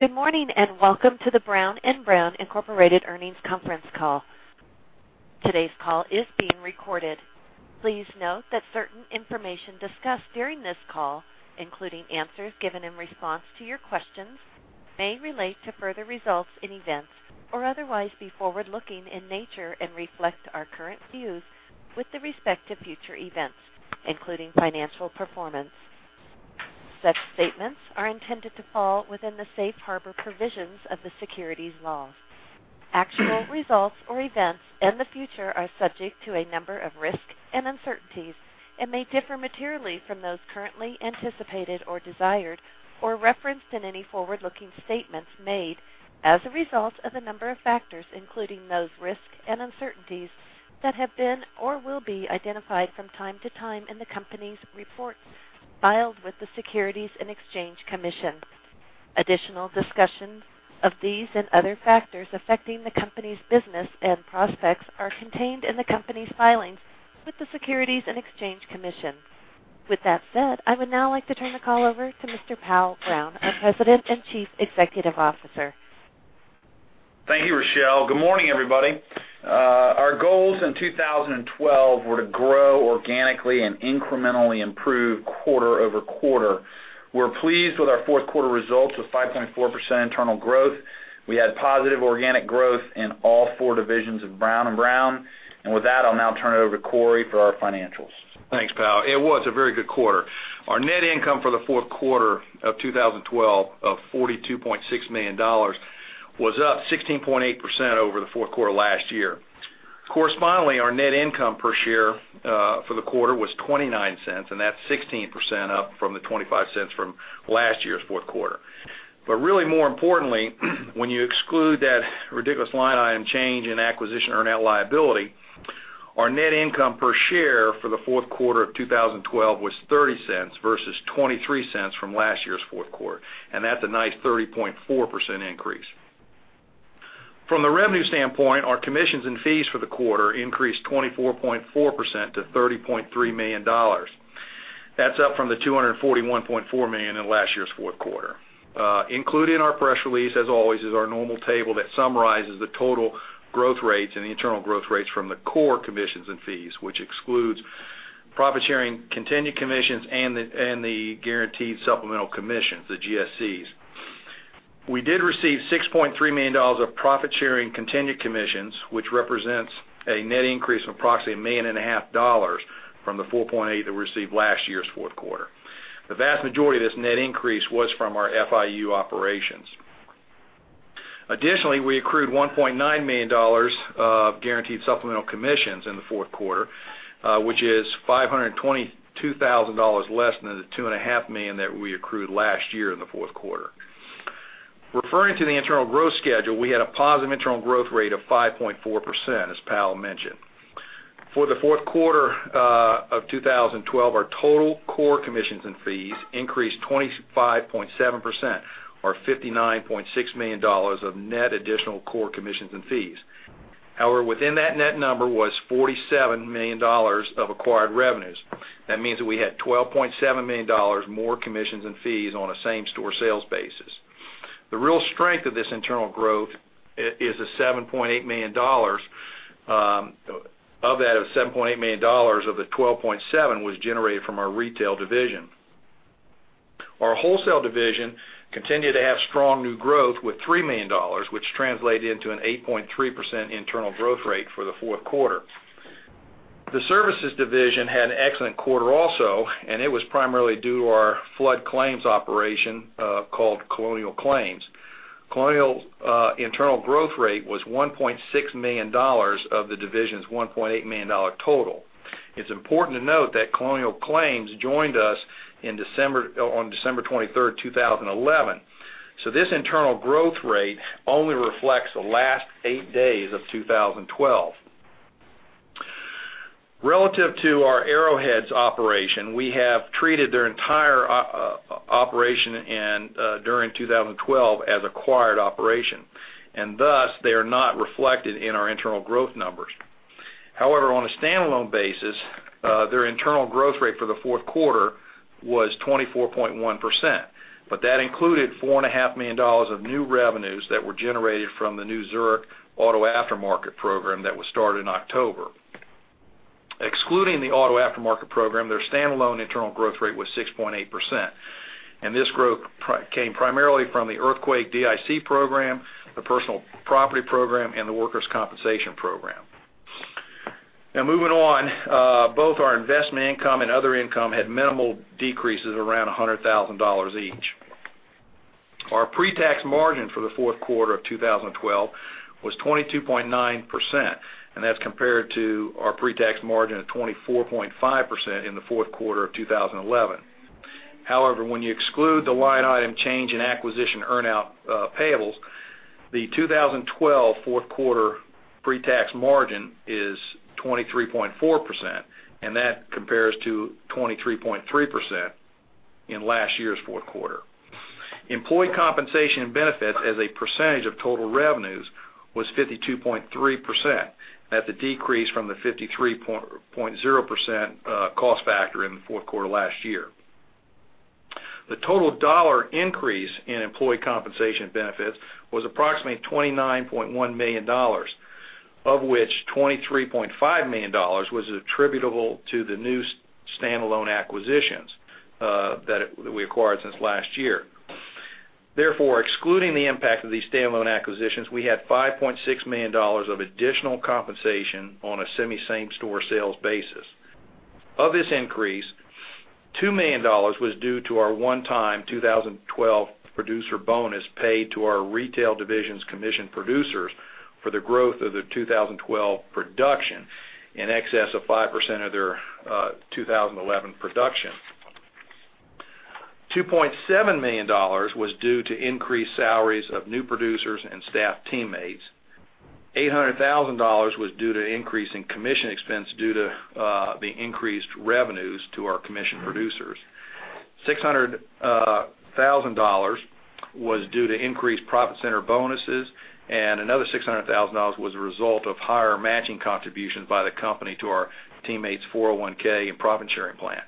Good morning, and welcome to the Brown & Brown Incorporated earnings conference call. Today's call is being recorded. Please note that certain information discussed during this call, including answers given in response to your questions, may relate to further results and events or otherwise be forward-looking in nature and reflect our current views with respect to future events, including financial performance. Such statements are intended to fall within the safe harbor provisions of the securities laws. Actual results or events in the future are subject to a number of risks and uncertainties and may differ materially from those currently anticipated or desired or referenced in any forward-looking statements made as a result of a number of factors, including those risks and uncertainties that have been or will be identified from time to time in the company's reports filed with the Securities and Exchange Commission. Additional discussions of these and other factors affecting the company's business and prospects are contained in the company's filings with the Securities and Exchange Commission. With that said, I would now like to turn the call over to Mr. Powell Brown, our President and Chief Executive Officer. Thank you, Rochelle. Good morning, everybody. Our goals in 2012 were to grow organically and incrementally improve quarter-over-quarter. We're pleased with our fourth quarter results of 5.4% internal growth. We had positive organic growth in all four divisions of Brown & Brown. With that, I'll now turn it over to Cory for our financials. Thanks, Powell. It was a very good quarter. Our net income for the fourth quarter of 2012 of $42.6 million was up 16.8% over the fourth quarter last year. Correspondingly, our net income per share for the quarter was $0.29, and that's 16% up from the $0.25 from last year's fourth quarter. Really more importantly, when you exclude that ridiculous line item change in acquisition earn-out liability, our net income per share for the fourth quarter of 2012 was $0.30 versus $0.23 from last year's fourth quarter, and that's a nice 30.4% increase. From the revenue standpoint, our commissions and fees for the quarter increased 24.4% to $30.3 million. That's up from the $241.4 million in last year's fourth quarter. Included in our press release, as always, is our normal table that summarizes the total growth rates and the internal growth rates from the core commissions and fees, which excludes profit sharing, continued commissions, and the guaranteed supplemental commissions, the GSCs. We did receive $6.3 million of profit sharing continued commissions, which represents a net increase of approximately a million and a half dollars from the $4.8 million that we received last year's fourth quarter. The vast majority of this net increase was from our FIU operations. Additionally, we accrued $1.9 million of guaranteed supplemental commissions in the fourth quarter, which is $522,000 less than the two and a half million that we accrued last year in the fourth quarter. Referring to the internal growth schedule, we had a positive internal growth rate of 5.4%, as Powell mentioned. For the fourth quarter of 2012, our total core commissions and fees increased 25.7% or $59.6 million of net additional core commissions and fees. Within that net number was $47 million of acquired revenues. That means that we had $12.7 million more commissions and fees on a same-store sales basis. The real strength of this internal growth is the $7.8 million, of that, $7.8 million of the $12.7 million was generated from our retail division. Our wholesale division continued to have strong new growth with $3 million, which translated into an 8.3% internal growth rate for the fourth quarter. The services division had an excellent quarter also, and it was primarily due to our flood claims operation, called Colonial Claims. Colonial's internal growth rate was $1.6 million of the division's $1.8 million total. It's important to note that Colonial Claims joined us on December 23rd, 2011. This internal growth rate only reflects the last eight days of 2012. Relative to our Arrowhead's operation, we have treated their entire operation during 2012 as acquired operation, and thus, they are not reflected in our internal growth numbers. On a standalone basis, their internal growth rate for the fourth quarter was 24.1%, but that included four and a half million dollars of new revenues that were generated from the new Zurich Auto Aftermarket program that was started in October. Excluding the Auto Aftermarket program, their standalone internal growth rate was 6.8%, and this growth came primarily from the Earthquake DIC program, the Personal Property program, and the Workers' Compensation program. Moving on, both our investment income and other income had minimal decreases around $100,000 each. Our pre-tax margin for the fourth quarter of 2012 was 22.9%, and that's compared to our pre-tax margin of 24.5% in the fourth quarter of 2011. When you exclude the line item change in acquisition earn-out payables, the 2012 fourth quarter pre-tax margin is 23.4%, and that compares to 23.3% in last year's fourth quarter. Employee compensation and benefits as a percentage of total revenues was 52.3%. That's a decrease from the 53.0% cost factor in the fourth quarter last year. The total dollar increase in employee compensation benefits was approximately $29.1 million, of which $23.5 million was attributable to the new standalone acquisitions that we acquired since last year. Therefore, excluding the impact of these standalone acquisitions, we had $5.6 million of additional compensation on a same-store sales basis. Of this increase, $2 million was due to our one-time 2012 producer bonus paid to our retail division's commission producers for the growth of their 2012 production in excess of 5% of their 2011 production. $2.7 million was due to increased salaries of new producers and staff teammates. $800,000 was due to increase in commission expense due to the increased revenues to our commission producers. $600,000 was due to increased profit center bonuses, another $600,000 was a result of higher matching contributions by the company to our teammates' 401 and profit-sharing plan.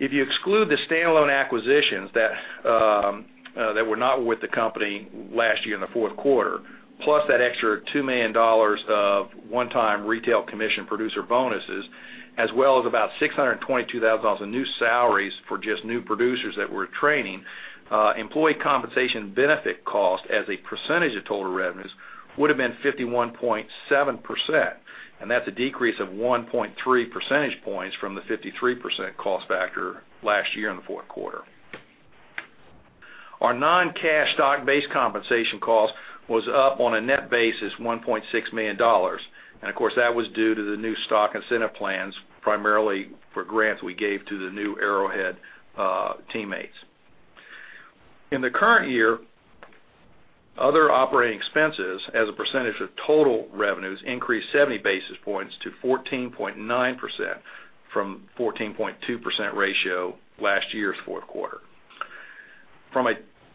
If you exclude the standalone acquisitions that were not with the company last year in the fourth quarter, plus that extra $2 million of one-time retail commission producer bonuses, as well as about $622,000 of new salaries for just new producers that we're training, employee compensation benefit cost as a percentage of total revenues, would've been 51.7%, that's a decrease of 1.3 percentage points from the 53% cost factor last year in the fourth quarter. Our non-cash stock-based compensation cost was up on a net basis, $1.6 million. Of course, that was due to the new stock incentive plans, primarily for grants we gave to the new Arrowhead teammates. In the current year, other operating expenses as a percentage of total revenues increased 70 basis points to 14.9% from 14.2% ratio last year's fourth quarter. From a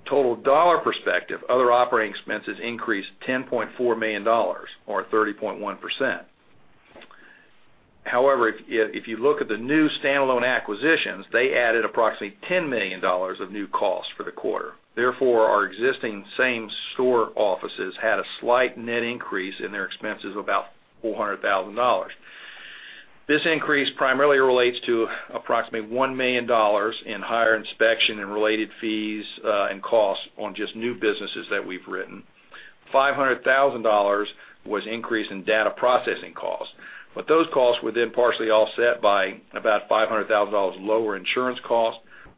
total dollar perspective, other operating expenses increased $10.4 million or 30.1%. However, if you look at the new standalone acquisitions, they added approximately $10 million of new costs for the quarter. Therefore, our existing same store offices had a slight net increase in their expenses of about $400,000. This increase primarily relates to approximately $1 million in higher inspection and related fees, and costs on just new businesses that we've written. $500,000 was increase in data processing costs. Those costs were then partially offset by about $500,000 lower insurance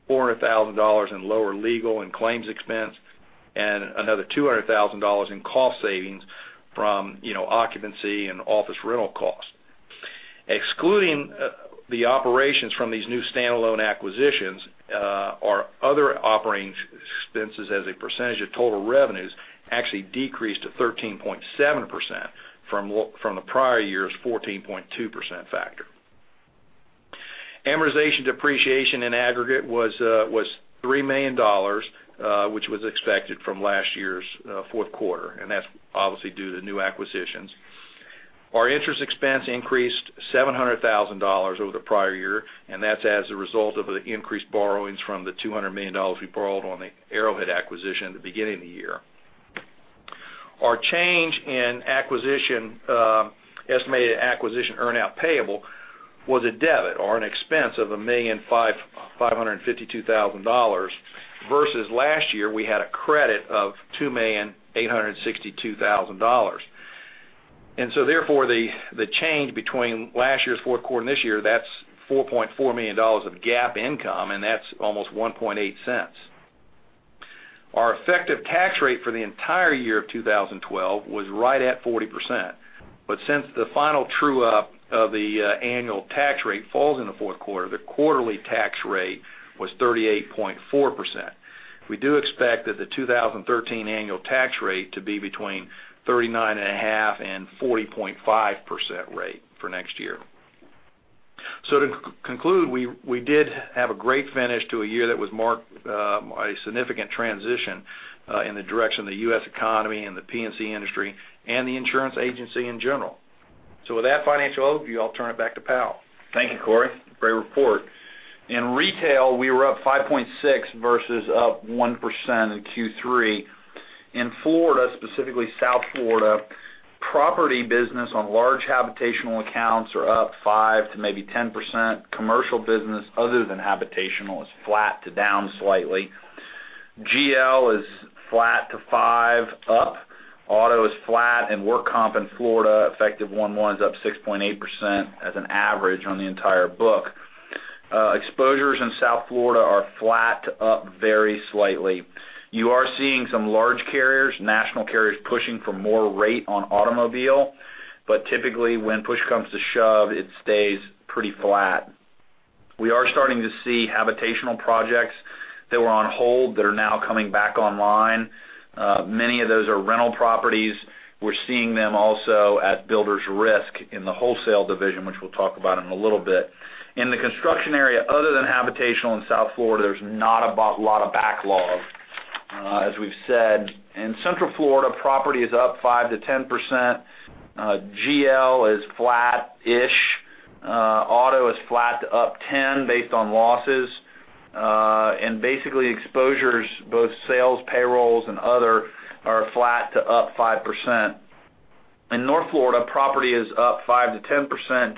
cost, $400,000 in lower legal and claims expense, another $200,000 in cost savings from occupancy and office rental cost. Excluding the operations from these new standalone acquisitions, our other operating expenses as a percentage of total revenues actually decreased to 13.7% from the prior year's 14.2% factor. Amortization depreciation in aggregate was $3 million, which was expected from last year's fourth quarter, that's obviously due to new acquisitions. Our interest expense increased $700,000 over the prior year, that's as a result of the increased borrowings from the $200 million we borrowed on the Arrowhead acquisition at the beginning of the year. Our change in estimated acquisition earn-out payable was a debit or an expense of $1,552,000, versus last year we had a credit of $2,862,000. Therefore, the change between last year's fourth quarter and this year, that's $4.4 million of GAAP income, that's almost $0.018. Our effective tax rate for the entire year of 2012 was right at 40%, but since the final true up of the annual tax rate falls in the fourth quarter, the quarterly tax rate was 38.4%. We do expect that the 2013 annual tax rate to be between 39.5% and 40.5% rate for next year. To conclude, we did have a great finish to a year that was marked by a significant transition in the direction of the U.S. economy and the P&C industry and the insurance agency in general. With that financial overview, I'll turn it back to Powell. Thank you, Cory. Great report. In retail, we were up 5.6% versus up 1% in Q3. In Florida, specifically South Florida, property business on large habitational accounts are up 5%-10%. Commercial business other than habitational is flat to down slightly. GL is flat to 5% up. Auto is flat, and work comp in Florida effective 1/1 is up 6.8% as an average on the entire book. Exposures in South Florida are flat to up very slightly. You are seeing some large carriers, national carriers pushing for more rate on automobile. Typically, when push comes to shove, it stays pretty flat. We are starting to see habitational projects that were on hold that are now coming back online. Many of those are rental properties. We're seeing them also at builders risk in the wholesale division, which we'll talk about in a little bit. In the construction area other than habitational in South Florida, there's not a lot of backlog. As we've said, in Central Florida, property is up 5%-10%. GL is flat-ish. Auto is flat to up 10% based on losses. Basically, exposures, both sales, payrolls, and other, are flat to up 5%. In North Florida, property is up 5%-10%.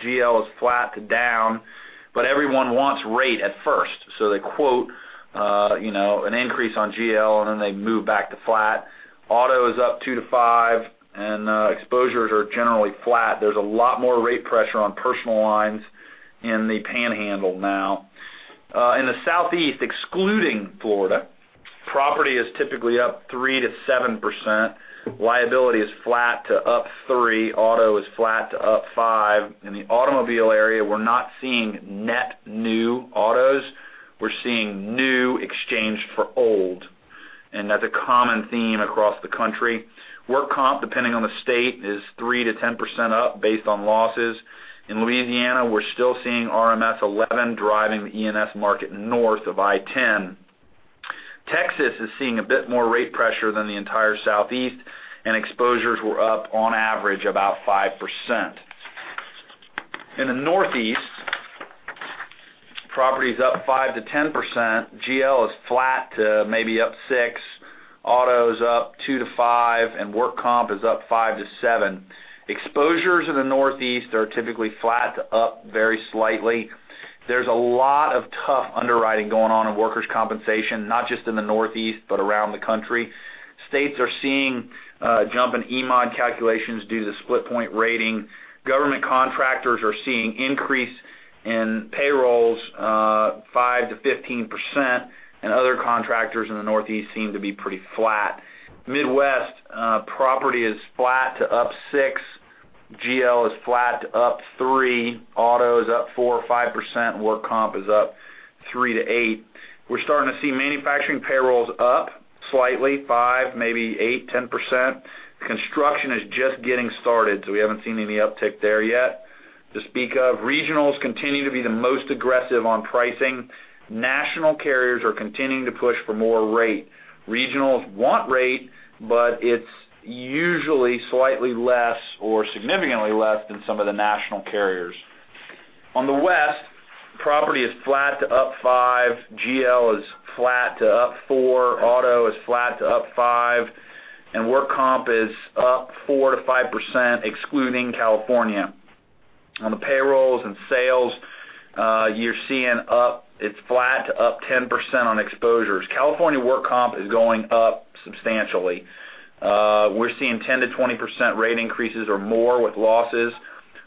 GL is flat to down, everyone wants rate at first, so they quote an increase on GL, and then they move back to flat. Auto is up 2%-5%, and exposures are generally flat. There's a lot more rate pressure on personal lines in the Panhandle now. In the Southeast, excluding Florida, property is typically up 3%-7%. Liability is flat to up 3%. Auto is flat to up 5%. In the automobile area, we're not seeing net new autos. We're seeing new exchanged for old. That's a common theme across the country. Work comp, depending on the state, is 3%-10% up based on losses. In Louisiana, we're still seeing RMS 11 driving the E&S market north of I-10. Texas is seeing a bit more rate pressure than the entire Southeast, and exposures were up on average about 5%. In the Northeast, property is up 5%-10%. GL is flat to maybe up 6%. Auto is up 2%-5%, and work comp is up 5%-7%. Exposures in the Northeast are typically flat to up very slightly. There's a lot of tough underwriting going on in workers' compensation, not just in the Northeast but around the country. States are seeing a jump in E-mod calculations due to split point rating. Government contractors are seeing increase in payrolls 5%-15%. Other contractors in the Northeast seem to be pretty flat. Midwest, property is flat to up 6%. GL is flat to up 3%. Auto is up 4% or 5%, and work comp is up 3%-8%. We're starting to see manufacturing payrolls up slightly, 5%, maybe 8%, 10%. Construction is just getting started, so we haven't seen any uptick there yet to speak of. Regionals continue to be the most aggressive on pricing. National carriers are continuing to push for more rate. It's usually slightly less or significantly less than some of the national carriers. On the West, property is flat to up 5%. GL is flat to up 4%. Auto is flat to up 5%, and work comp is up 4%-5% excluding California. On the payrolls and sales, you're seeing up, it's flat to up 10% on exposures. California work comp is going up substantially. We're seeing 10%-20% rate increases or more with losses.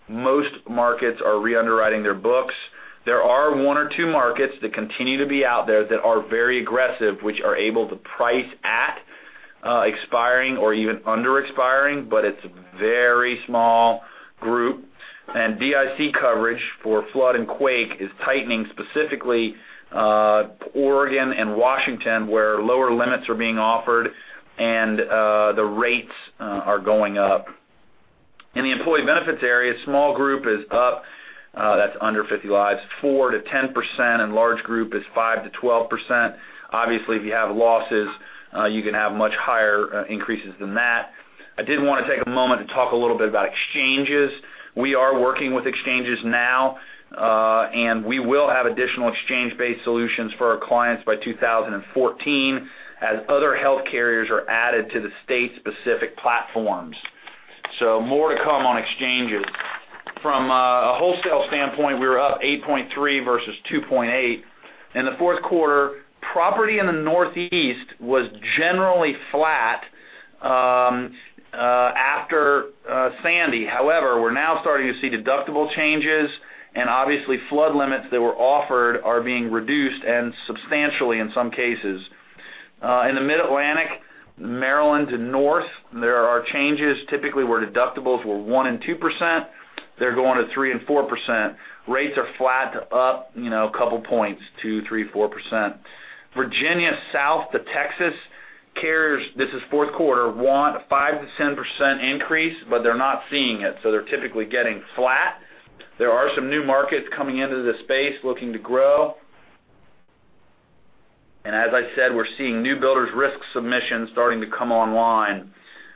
Most markets are re-underwriting their books. There are one or two markets that continue to be out there that are very aggressive, which are able to price at expiring or even under-expiring, but it's a very small group. DIC coverage for flood and quake is tightening, specifically Oregon and Washington, where lower limits are being offered and the rates are going up. In the employee benefits area, small group is up, that's under 50 lives, 4%-10%, and large group is 5%-12%. Obviously, if you have losses, you can have much higher increases than that. I did want to take a moment to talk a little bit about exchanges. We are working with exchanges now. We will have additional exchange-based solutions for our clients by 2014 as other health carriers are added to the state-specific platforms. More to come on exchanges. From a wholesale standpoint, we were up 8.3% versus 2.8%. In the fourth quarter, property in the Northeast was generally flat after Hurricane Sandy. However, we're now starting to see deductible changes. Obviously, flood limits that were offered are being reduced and substantially in some cases. In the Mid-Atlantic, Maryland to north, there are changes. Typically, where deductibles were 1% and 2%, they're going to 3% and 4%. Rates are flat to up a couple of points, 2%, 3%, 4%. Virginia, south to Texas, carriers, this is fourth quarter, want a 5%-10% increase. They're not seeing it, so they're typically getting flat. There are some new markets coming into this space looking to grow. As I said, we're seeing new builders risk submissions starting to come online.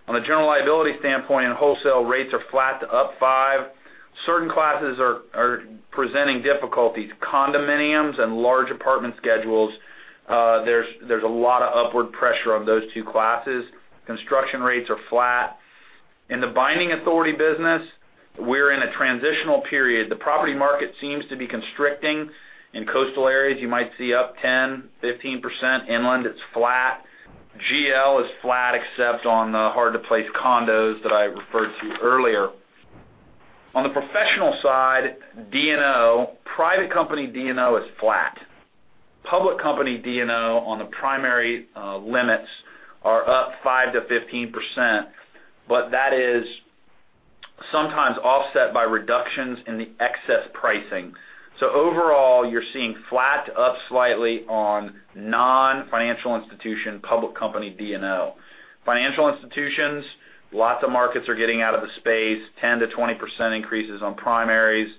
On a general liability standpoint and wholesale, rates are flat to up 5%. Certain classes are presenting difficulties. Condominiums and large apartment schedules, there's a lot of upward pressure on those two classes. Construction rates are flat. In the binding authority business, we're in a transitional period. The property market seems to be constricting. In coastal areas, you might see up 10%, 15%. Inland, it's flat. GL is flat except on the hard-to-place condos that I referred to earlier. On the professional side, D&O, private company D&O is flat. Public company D&O on the primary limits are up 5%-15%, but that is sometimes offset by reductions in the excess pricing. Overall, you're seeing flat to up slightly on non-financial institution public company D&O. Financial institutions, lots of markets are getting out of the space, 10%-20% increases on primaries.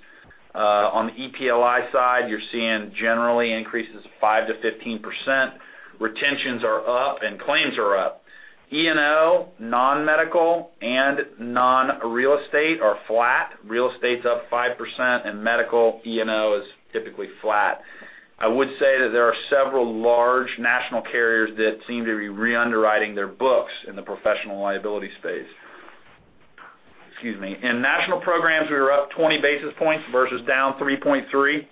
On the EPLI side, you're seeing generally increases 5%-15%. Retentions are up and claims are up. E&O, non-medical, and non-real estate are flat. Real estate's up 5%, and medical E&O is typically flat. I would say that there are several large national carriers that seem to be re-underwriting their books in the professional liability space. Excuse me. In national programs, we were up 20 basis points versus down 3.3%.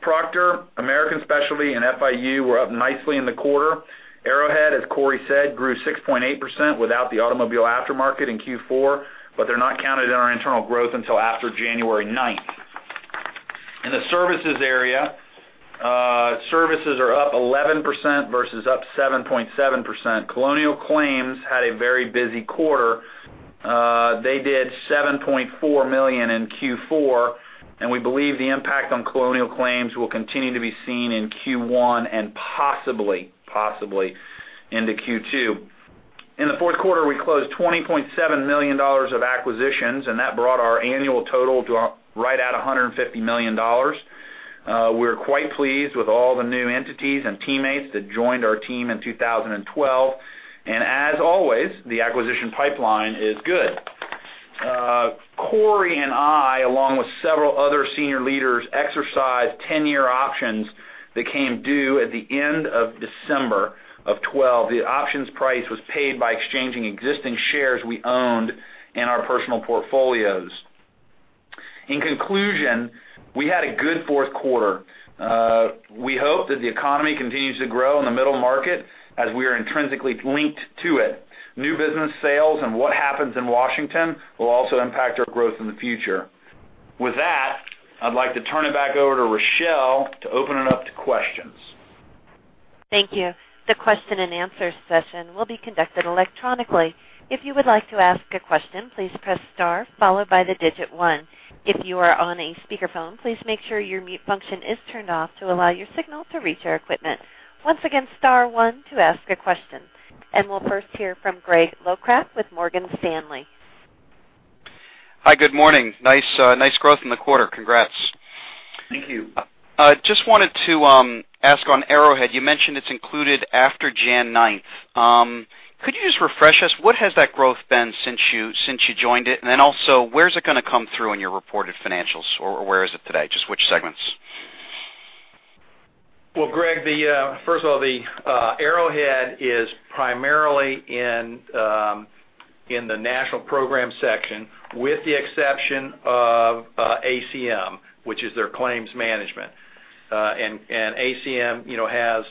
Proctor, American Specialty, and FIU were up nicely in the quarter. Arrowhead, as Cory said, grew 6.8% without the Auto Aftermarket in Q4, but they're not counted in our internal growth until after January 9th. In the services area, services are up 11% versus up 7.7%. Colonial Claims had a very busy quarter. They did $7.4 million in Q4, and we believe the impact on Colonial Claims will continue to be seen in Q1 and possibly into Q2. In the fourth quarter, we closed $20.7 million of acquisitions, and that brought our annual total to right at $150 million. We're quite pleased with all the new entities and teammates that joined our team in 2012. As always, the acquisition pipeline is good. Cory and I, along with several other senior leaders, exercised 10-year options that came due at the end of December of 2012. The options price was paid by exchanging existing shares we owned in our personal portfolios. In conclusion, we had a good fourth quarter. We hope that the economy continues to grow in the middle market as we are intrinsically linked to it. New business sales and what happens in Washington will also impact our growth in the future. With that, I'd like to turn it back over to Rochelle to open it up to questions. Thank you. The question and answer session will be conducted electronically. If you would like to ask a question, please press star followed by the digit 1. If you are on a speakerphone, please make sure your mute function is turned off to allow your signal to reach our equipment. Once again, star 1 to ask a question. We'll first hear from Greg Locraft with Morgan Stanley. Hi. Good morning. Nice growth in the quarter. Congrats. Thank you. Just wanted to ask on Arrowhead, you mentioned it's included after January 9th. Could you just refresh us, what has that growth been since you joined it? Then also, where's it going to come through in your reported financials? Or where is it today? Just which segments? Well, Greg, first of all, the Arrowhead is primarily in the national program section, with the exception of ACM, which is their claims management. ACM has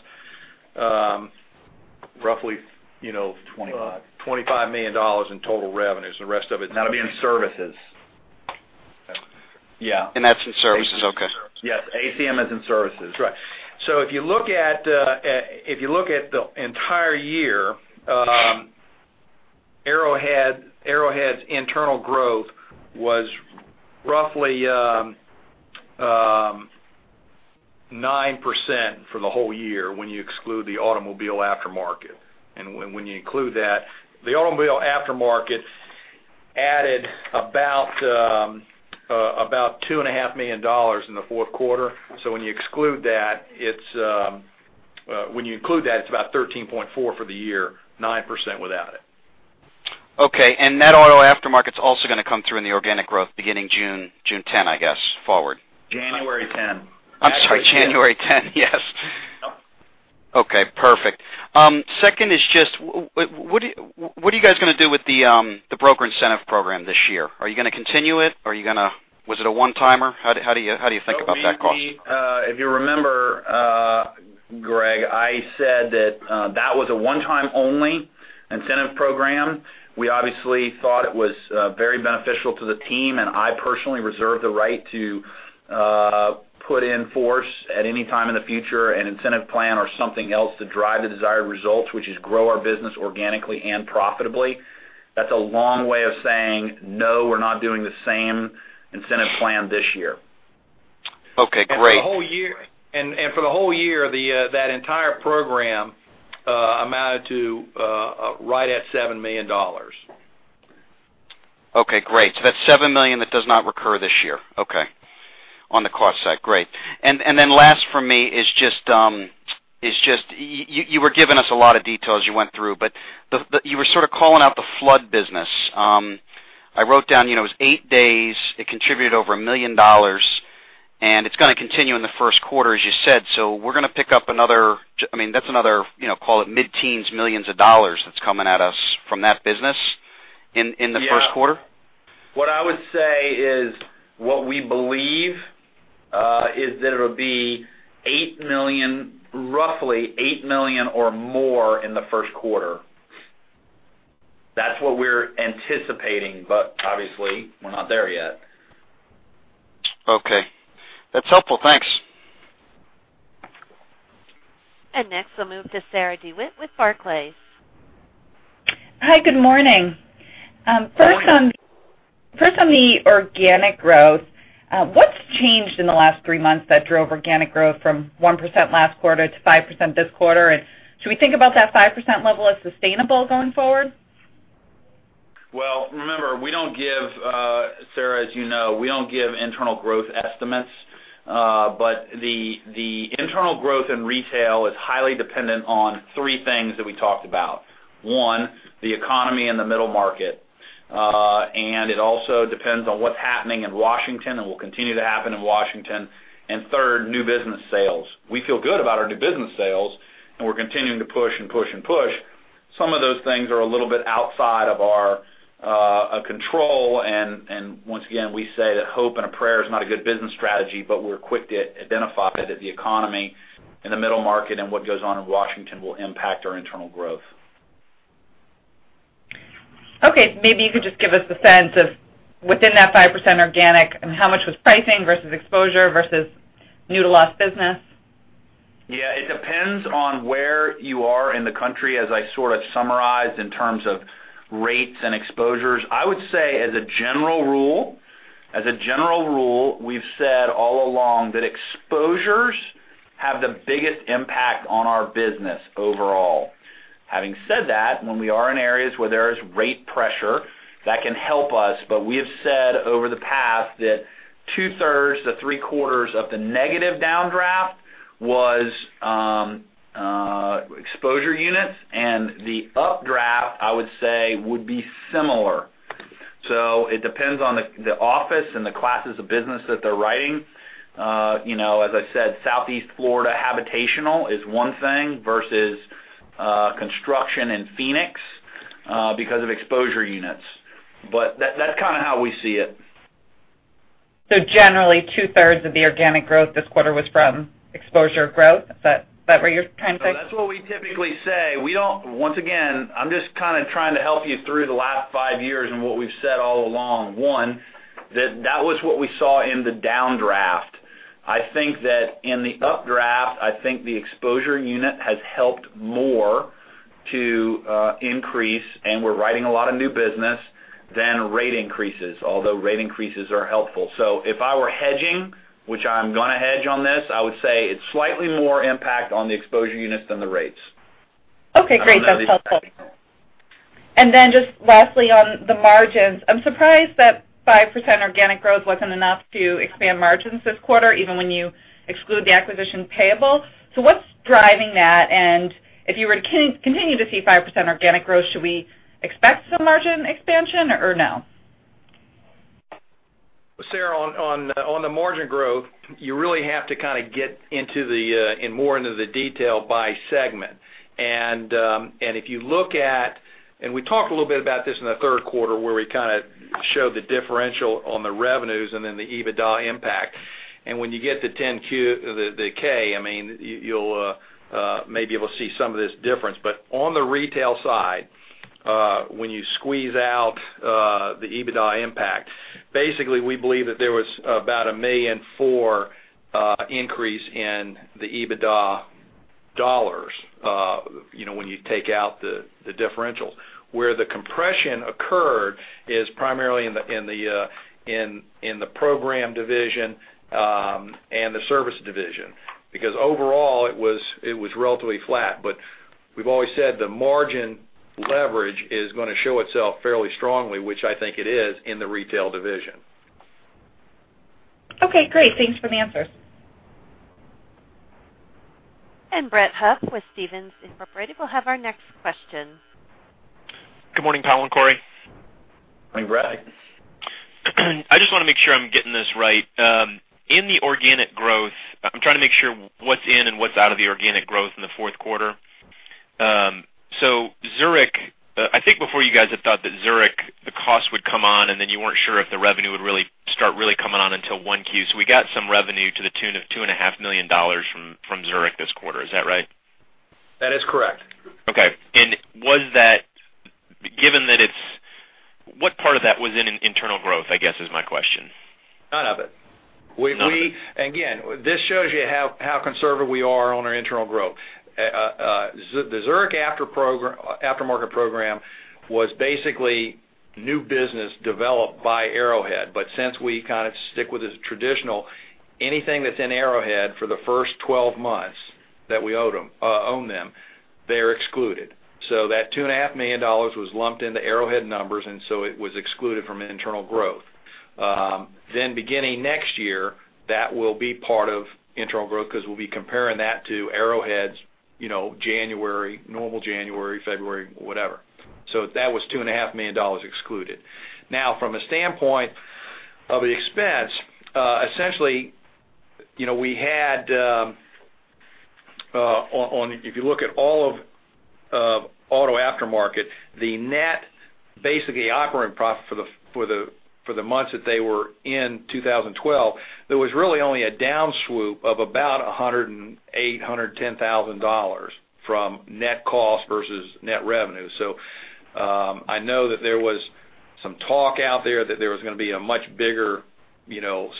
roughly 25 $25 million in total revenues. The rest of it- That'll be in services. Yeah. That's in services. Okay. Yes. ACM is in services. Right. If you look at the entire year, Arrowhead's internal growth was roughly 9% for the whole year when you exclude the automobile aftermarket. When you include that, the automobile aftermarket added about $2.5 million in the fourth quarter. When you include that, it's about 13.4% for the year, 9% without it. Okay. Net Auto Aftermarket's also going to come through in the organic growth beginning June 10, I guess, forward. January 10. I'm sorry, January 10. Yes. Okay, perfect. Second is just, what are you guys going to do with the broker incentive program this year? Are you going to continue it? Was it a one-timer? How do you think about that cost? If you remember, Greg, I said that that was a one-time only incentive program. We obviously thought it was very beneficial to the team, and I personally reserve the right to put in force at any time in the future an incentive plan or something else to drive the desired results, which is grow our business organically and profitably. That's a long way of saying, no, we're not doing the same incentive plan this year. Okay, great. For the whole year, that entire program amounted to right at $7 million. Okay, great. That's $7 million that does not recur this year. Okay. On the cost side. Great. Last from me is just, you were giving us a lot of details you went through, but you were sort of calling out the flood business. I wrote down, it was eight days, it contributed over $1 million, and it's going to continue in the first quarter, as you said. We're going to pick up another mid-teens millions of dollars that's coming at us from that business in the first quarter? What I would say is, what we believe is that it'll be roughly $8 million or more in the first quarter. That's what we're anticipating, but obviously, we're not there yet. Okay. That's helpful. Thanks. Next, we'll move to Sarah DeWitt with Barclays. Hi. Good morning. Good morning. First on the organic growth, what's changed in the last three months that drove organic growth from 1% last quarter to 5% this quarter? Should we think about that 5% level as sustainable going forward? Well, remember, Sarah, as you know, we don't give internal growth estimates. The internal growth in retail is highly dependent on three things that we talked about. One, the economy and the middle market. It also depends on what's happening in Washington and will continue to happen in Washington. Third, new business sales. We feel good about our new business sales, and we're continuing to push and push and push. Some of those things are a little bit outside of our control. Once again, we say that hope and a prayer is not a good business strategy, but we're quick to identify that the economy in the middle market and what goes on in Washington will impact our internal growth. Okay. Maybe you could just give us a sense of within that 5% organic and how much was pricing versus exposure versus new to lost business. Yeah. It depends on where you are in the country, as I sort of summarized in terms of rates and exposures. I would say as a general rule, we've said all along that exposures have the biggest impact on our business overall. Having said that, when we are in areas where there is rate pressure, that can help us, but we have said over the past that two-thirds to three-quarters of the negative downdraft was exposure units, and the updraft, I would say, would be similar. It depends on the office and the classes of business that they're writing. As I said, Southeast Florida habitational is one thing versus construction in Phoenix because of exposure units. That's kind of how we see it. Generally, two-thirds of the organic growth this quarter was from exposure growth. Is that where you're trying to go? That's what we typically say. Once again, I'm just kind of trying to help you through the last five years and what we've said all along. One, that was what we saw in the downdraft. I think that in the updraft, I think the exposure unit has helped more to increase, and we're writing a lot of new business than rate increases, although rate increases are helpful. If I were hedging, which I'm going to hedge on this, I would say it's slightly more impact on the exposure units than the rates. Okay, great. That's helpful. I don't know the exact number. Just lastly on the margins, I am surprised that 5% organic growth wasn't enough to expand margins this quarter, even when you exclude the acquisition payable. What's driving that? If you were to continue to see 5% organic growth, should we expect some margin expansion or no? Sarah, on the margin growth, you really have to kind of get more into the detail by segment. We talked a little bit about this in the third quarter where we kind of showed the differential on the revenues and then the EBITDA impact. When you get to the K, you'll maybe able to see some of this difference. On the retail side, when you squeeze out the EBITDA impact, basically, we believe that there was about a $1,000,004 increase in the EBITDA dollars when you take out the differentials. Where the compression occurred is primarily in the program division and the service division. Overall it was relatively flat. We've always said the margin leverage is going to show itself fairly strongly, which I think it is in the retail division. Okay, great. Thanks for the answers. Brett Huff with Stephens Inc. will have our next questions. Good morning, Powell and Cory. Morning, Brett. I just want to make sure I'm getting this right. In the organic growth, I'm trying to make sure what's in and what's out of the organic growth in the fourth quarter. Zurich, I think before you guys had thought that Zurich, the cost would come on, and then you weren't sure if the revenue would really start really coming on until 1Q. We got some revenue to the tune of $2.5 million from Zurich this quarter. Is that right? That is correct. Okay. What part of that was in internal growth, I guess is my question? None of it. None of it? This shows you how conservative we are on our internal growth. The Zurich Auto Aftermarket program was basically new business developed by Arrowhead. Since we kind of stick with the traditional, anything that's in Arrowhead for the first 12 months that we own them, they're excluded. That $2.5 million was lumped into Arrowhead numbers, and so it was excluded from internal growth. Beginning next year, that will be part of internal growth because we'll be comparing that to Arrowhead's normal January, February, whatever. That was $2.5 million excluded. From a standpoint of the expense, essentially, if you look at all of Auto Aftermarket, the net, basically operating profit for the months that they were in 2012, there was really only a down swoop of about $108,000, $110,000 from net cost versus net revenue. I know that there was some talk out there that there was going to be a much bigger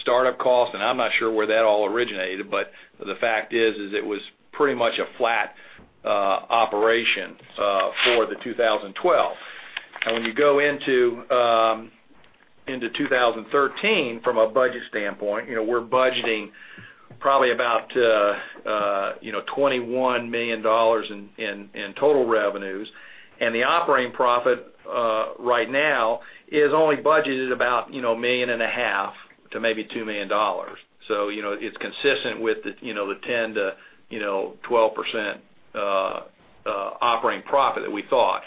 startup cost, and I'm not sure where that all originated, but the fact is it was pretty much a flat operation for the 2012. When you go into into 2013 from a budget standpoint, we're budgeting probably about $21 million in total revenues, the operating profit right now is only budgeted about $1.5 million to maybe $2 million. It's consistent with the 10%-12% operating profit that we thought.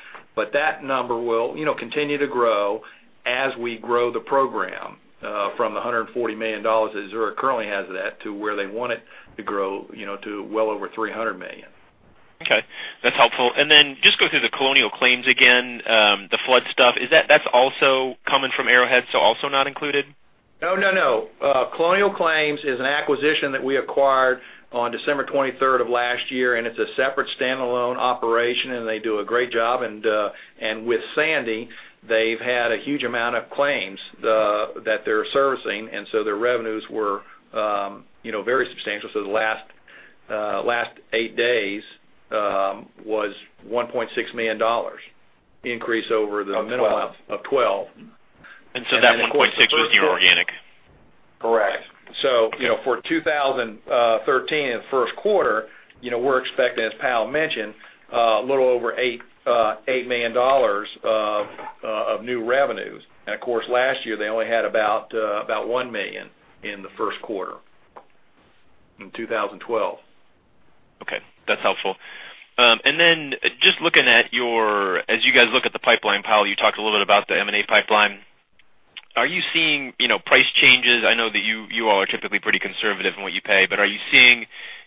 That number will continue to grow as we grow the program from the $140 million that Zurich currently has it at, to where they want it to grow to well over $300 million. Okay, that's helpful. Just go through the Colonial Claims again, the flood stuff. That's also coming from Arrowhead, also not included? No. Colonial Claims is an acquisition that we acquired on December 23rd of last year, it's a separate standalone operation, and they do a great job. With Sandy, they've had a huge amount of claims that they're servicing, their revenues were very substantial. The last eight days was $1.6 million increase over the minimum of 12. That 1.6 was new organic? Correct. For 2013, in the first quarter, we're expecting, as Powell mentioned, a little over $8 million of new revenues. Last year, they only had about $1 million in the first quarter in 2012. Okay, that's helpful. Just looking at your, as you guys look at the pipeline, Powell, you talked a little bit about the M&A pipeline. Are you seeing price changes? I know that you all are typically pretty conservative in what you pay, but are you seeing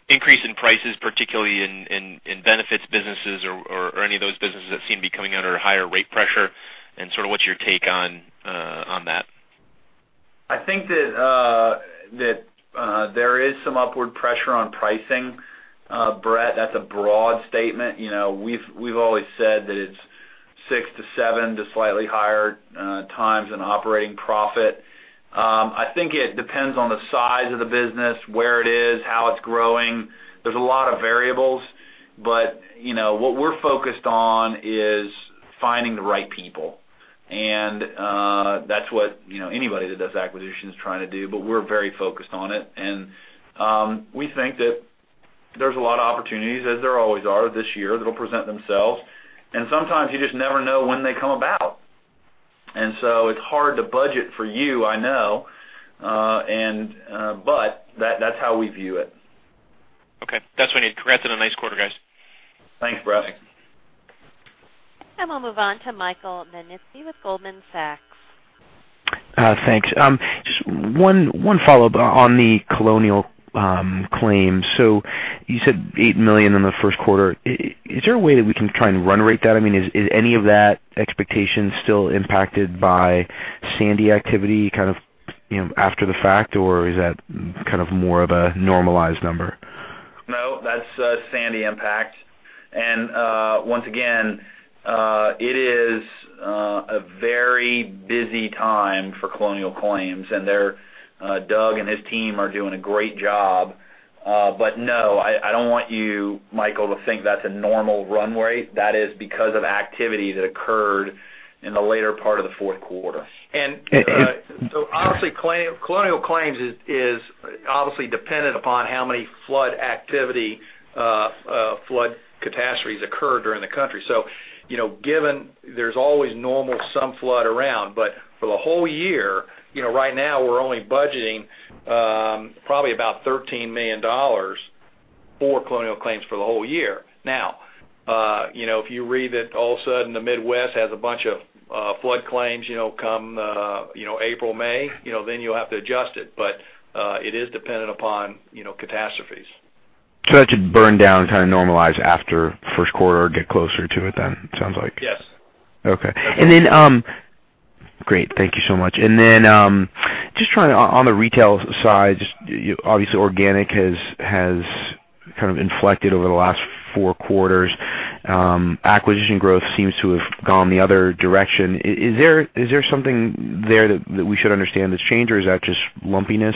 increase in prices, particularly in benefits businesses or any of those businesses that seem to be coming under higher rate pressure, and sort of what's your take on that? I think that there is some upward pressure on pricing, Brett. That's a broad statement. We've always said that it's six to seven to slightly higher times in operating profit. I think it depends on the size of the business, where it is, how it's growing. There's a lot of variables, but what we're focused on is finding the right people, and that's what anybody that does acquisitions is trying to do, but we're very focused on it. We think that there's a lot of opportunities, as there always are this year, that'll present themselves, and sometimes you just never know when they come about. It's hard to budget for you, I know, but that's how we view it. Okay. That's what I need. Congrats on a nice quarter, guys. Thanks, Brett. We'll move on to Michael Nannizzi with Goldman Sachs. Thanks. Just one follow-up on the Colonial Claims. You said $8 million in the first quarter. Is there a way that we can try and run rate that? I mean, is any of that expectation still impacted by Sandy activity kind of after the fact, or is that kind of more of a normalized number? No, that's Sandy impact. Once again, it is a very busy time for Colonial Claims, and Doug and his team are doing a great job. No, I don't want you, Michael, to think that's a normal run rate. That is because of activity that occurred in the later part of the fourth quarter. Obviously, Colonial Claims is obviously dependent upon how many flood activity, flood catastrophes occur during the country. Given there's always normal some flood around, but for the whole year, right now we're only budgeting probably about $13 million for Colonial Claims for the whole year. If you read that all of a sudden the Midwest has a bunch of flood claims come April, May, then you'll have to adjust it, but it is dependent upon catastrophes. That should burn down, kind of normalize after first quarter or get closer to it then, it sounds like. Yes. Okay. Great. Thank you so much. Then, just trying on the retail side, just obviously organic has kind of inflected over the last four quarters. Acquisition growth seems to have gone the other direction. Is there something there that we should understand that's changed, or is that just lumpiness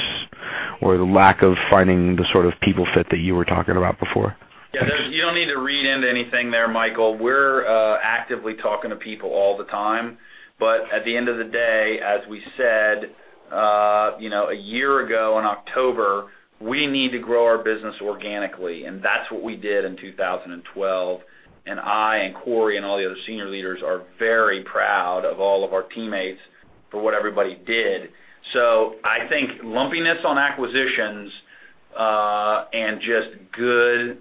or the lack of finding the sort of people fit that you were talking about before? Yeah, you don't need to read into anything there, Michael. We're actively talking to people all the time. At the end of the day, as we said a year ago in October, we need to grow our business organically. That's what we did in 2012, and I and Cory and all the other senior leaders are very proud of all of our teammates for what everybody did. I think lumpiness on acquisitions and just good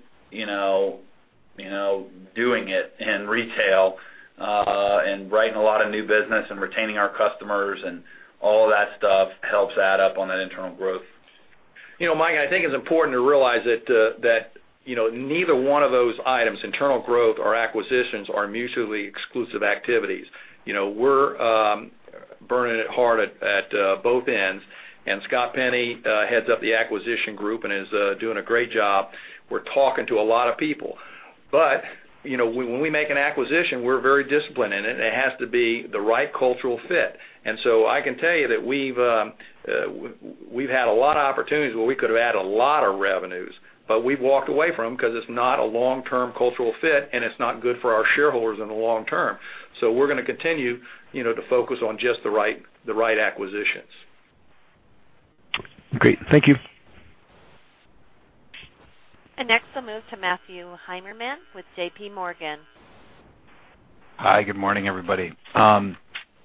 doing it in retail, and writing a lot of new business and retaining our customers and all of that stuff helps add up on that internal growth. Mike, I think it's important to realize that neither one of those items, internal growth or acquisitions, are mutually exclusive activities. We're burning it hard at both ends, and Scott Penny heads up the acquisition group and is doing a great job. We're talking to a lot of people. When we make an acquisition, we're very disciplined in it, and it has to be the right cultural fit. I can tell you that we've had a lot of opportunities where we could have had a lot of revenues, but we've walked away from them because it's not a long-term cultural fit, and it's not good for our shareholders in the long term. We're going to continue to focus on just the right acquisitions. Great. Thank you. Next we'll move to Matthew Heimermann with J.P. Morgan. Hi, good morning, everybody. Hey,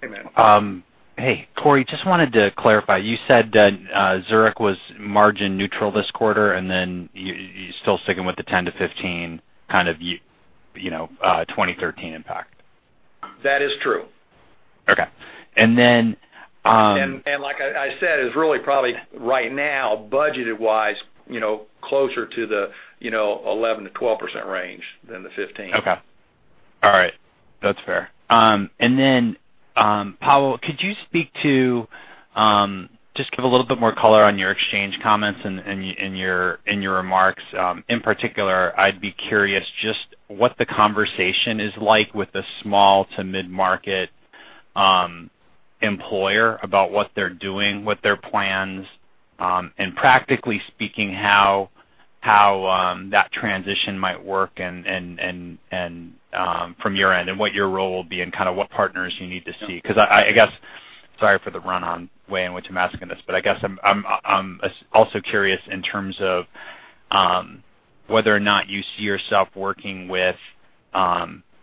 Matt. Hey, Cory. Just wanted to clarify, you said that Zurich was margin neutral this quarter, and then you're still sticking with the 10-15 kind of 2013 impact? That is true. Okay. Like I said, it's really probably right now, budgeted wise, closer to the 11%-12% range than the 15%. Okay. All right. That's fair. Then, Powell, could you speak to just give a little bit more color on your exchange comments in your remarks. In particular, I'd be curious just what the conversation is like with the small to mid-market employer about what they're doing with their plans, and practically speaking, how that transition might work and from your end, and what your role will be and kind of what partners you need to see. I guess, sorry for the run-on way in which I'm asking this, but I guess I'm also curious in terms of whether or not you see yourself working with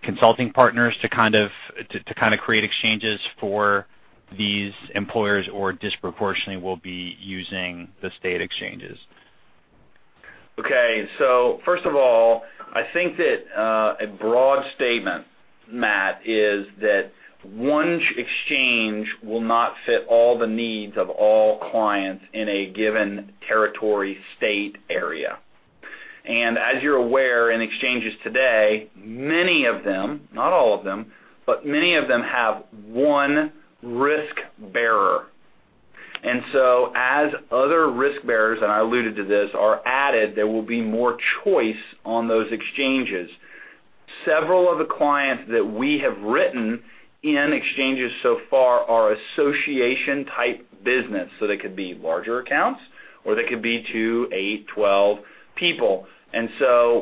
consulting partners to kind of create exchanges for these employers or disproportionately will be using the state exchanges. Okay. First of all, I think that a broad statement, Matt, is that one exchange will not fit all the needs of all clients in a given territory state area. As you're aware, in exchanges today, many of them, not all of them, but many of them have one risk bearer. As other risk bearers, and I alluded to this, are added, there will be more choice on those exchanges. Several of the clients that we have written in exchanges so far are association type business, so they could be larger accounts, or they could be two, eight, 12 people.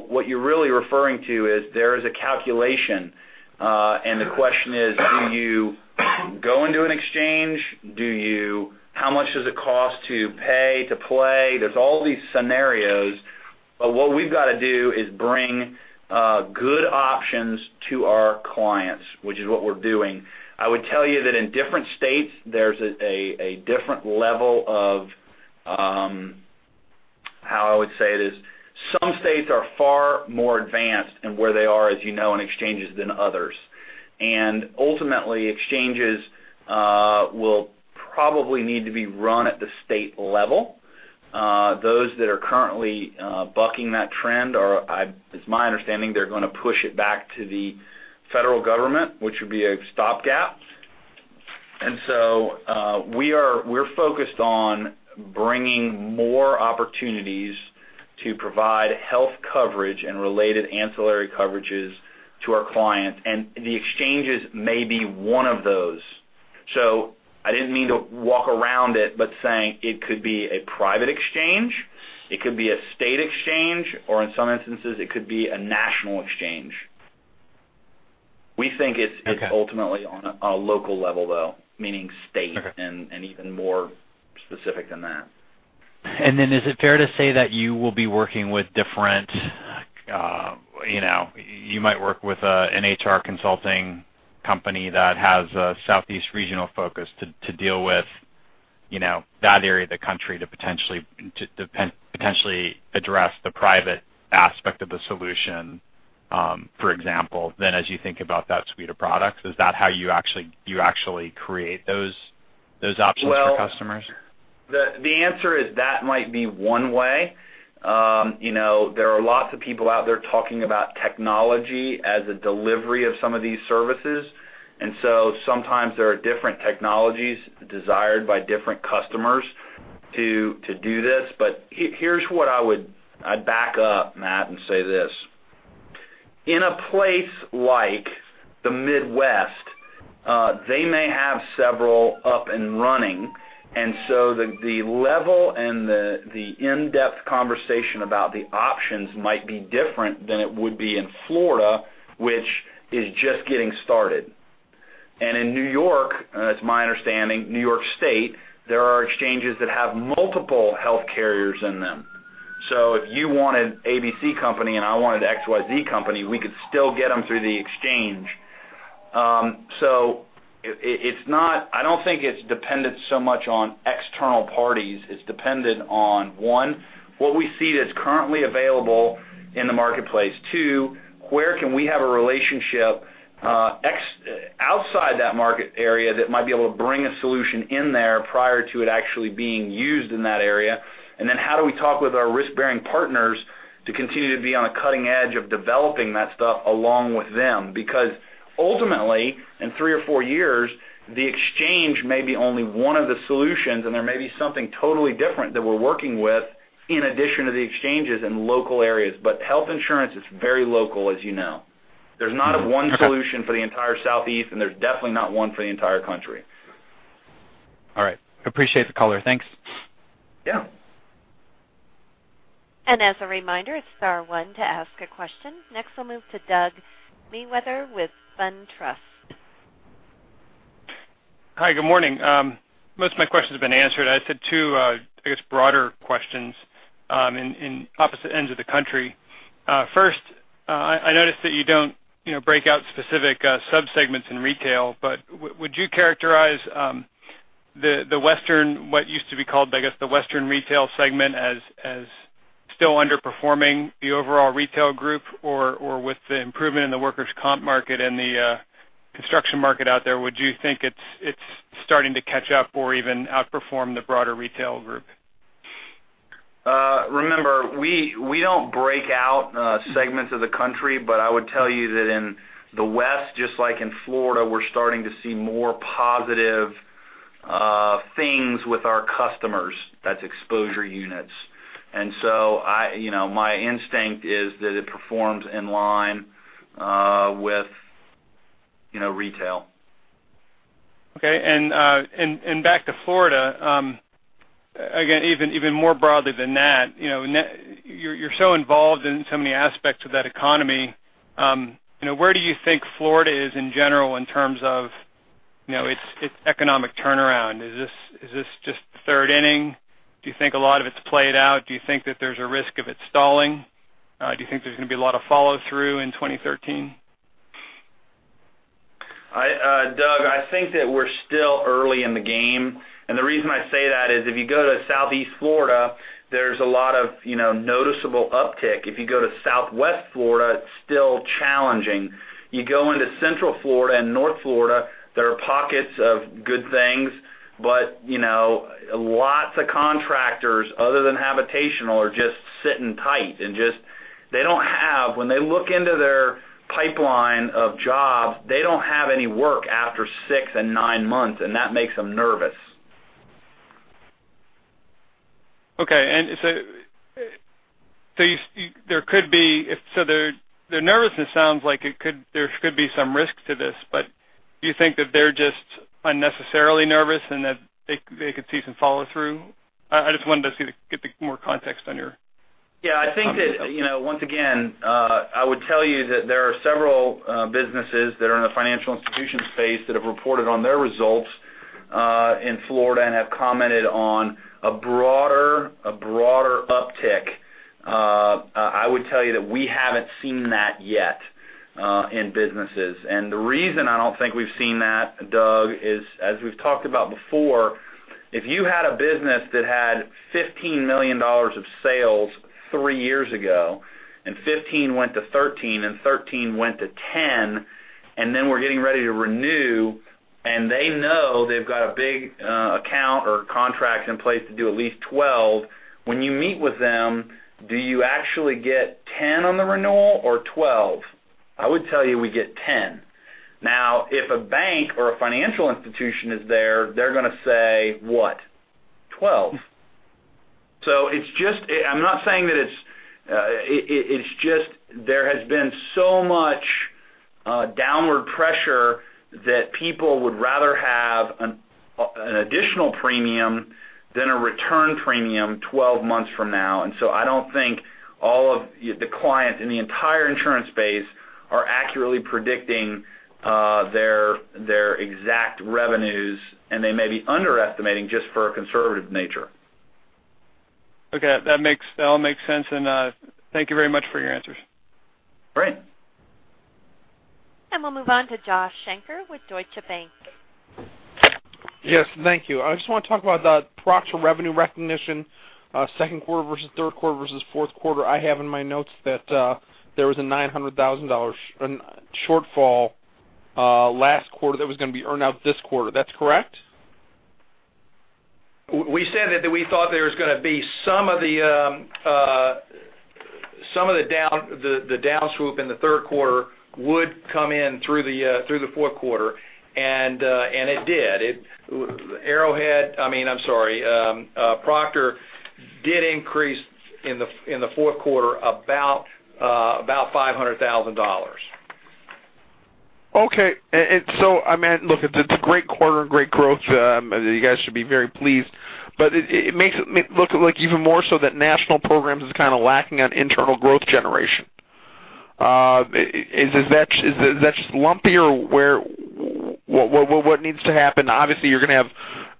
What you're really referring to is there is a calculation, and the question is, do you go into an exchange? How much does it cost to pay to play? There's all these scenarios. What we've got to do is bring good options to our clients, which is what we're doing. I would tell you that in different states, there's a different level of how I would say this, some states are far more advanced in where they are, as you know, in exchanges than others. Ultimately, exchanges will probably need to be run at the state level. Those that are currently bucking that trend are, it's my understanding, they're going to push it back to the federal government, which would be a stopgap. We're focused on bringing more opportunities to provide health coverage and related ancillary coverages to our clients, and the exchanges may be one of those. I didn't mean to walk around it, but saying it could be a private exchange, it could be a state exchange, or in some instances, it could be a national exchange. We think it's- Okay ultimately on a local level, though, meaning state- Okay Even more specific than that. You might work with an HR consulting company that has a Southeast regional focus to deal with that area of the country to potentially address the private aspect of the solution, for example. As you think about that suite of products, is that how you actually create those options for customers? The answer is that might be one way. There are lots of people out there talking about technology as a delivery of some of these services, sometimes there are different technologies desired by different customers to do this. Here's what I would back up, Matt, and say this. In a place like the Midwest, they may have several up and running, the level and the in-depth conversation about the options might be different than it would be in Florida, which is just getting started. In New York, and that's my understanding, New York State, there are exchanges that have multiple health carriers in them. If you wanted ABC company and I wanted XYZ company, we could still get them through the exchange. I don't think it's dependent so much on external parties. It's dependent on, one, what we see that's currently available in the marketplace. Two, where can we have a relationship outside that market area that might be able to bring a solution in there prior to it actually being used in that area? How do we talk with our risk-bearing partners to continue to be on a cutting edge of developing that stuff along with them? Ultimately, in 3 or 4 years, the exchange may be only one of the solutions, and there may be something totally different that we're working with in addition to the exchanges in local areas. Health insurance is very local, as you know. There's not one solution for the entire Southeast, and there's definitely not one for the entire country. All right. Appreciate the color. Thanks. Yeah. As a reminder, it's star one to ask a question. Next, we'll move to Doug Mayweather with SunTrust. Hi, good morning. Most of my questions have been answered. I just had two, I guess, broader questions in opposite ends of the country. First, I noticed that you don't break out specific sub-segments in retail, but would you characterize the Western, what used to be called, I guess, the Western retail segment as still underperforming the overall retail group? Or with the improvement in the workers' comp market and the construction market out there, would you think it's starting to catch up or even outperform the broader retail group? Remember, we don't break out segments of the country. I would tell you that in the West, just like in Florida, we're starting to see more positive things with our customers. That's exposure units. My instinct is that it performs in line with retail. Okay, back to Florida. Again, even more broadly than that, you're so involved in so many aspects of that economy. Where do you think Florida is in general in terms of its economic turnaround? Is this just the third inning? Do you think a lot of it's played out? Do you think that there's a risk of it stalling? Do you think there's going to be a lot of follow-through in 2013? Doug, I think that we're still early in the game. The reason I say that is if you go to Southeast Florida, there's a lot of noticeable uptick. If you go to Southwest Florida, it's still challenging. You go into Central Florida and North Florida, there are pockets of good things, but lots of contractors other than habitational are just sitting tight and just, when they look into their pipeline of jobs, they don't have any work after six and nine months, and that makes them nervous. Okay. Their nervousness sounds like there could be some risk to this, but do you think that they're just unnecessarily nervous and that they could see some follow-through? I just wanted to get more context on your- Yeah, I think that, once again, I would tell you that there are several businesses that are in the financial institution space that have reported on their results in Florida and have commented on a broader uptick. I would tell you that we haven't seen that yet in businesses. The reason I don't think we've seen that, Doug, is, as we've talked about before, if you had a business that had $15 million of sales three years ago, and 15 went to 13, and 13 went to 10, and then we're getting ready to renew, and they know they've got a big account or contract in place to do at least 12, when you meet with them, do you actually get 10 on the renewal or 12? I would tell you, we get 10. If a bank or a financial institution is there, they're going to say what? 12. I'm not saying that it's just there has been so much downward pressure that people would rather have an additional premium than a return premium 12 months from now. I don't think all of the clients in the entire insurance base are accurately predicting their exact revenues, and they may be underestimating just for a conservative nature. Okay. That all makes sense. Thank you very much for your answers. Great. We'll move on to Joshua Shanker with Deutsche Bank. Yes. Thank you. I just want to talk about the Proctor revenue recognition, second quarter versus third quarter versus fourth quarter. I have in my notes that there was a $900,000 shortfall last quarter that was going to be earned out this quarter. That's correct? We said that we thought there was going to be some of the down swoop in the third quarter would come in through the fourth quarter, and it did. Arrowhead, I'm sorry, Proctor did increase in the fourth quarter about $500,000. Okay. Look, it's a great quarter, great growth. You guys should be very pleased. It makes it look like even more so that National Programs is kind of lacking on internal growth generation. Is that just lumpy? What needs to happen? Obviously, you're going to have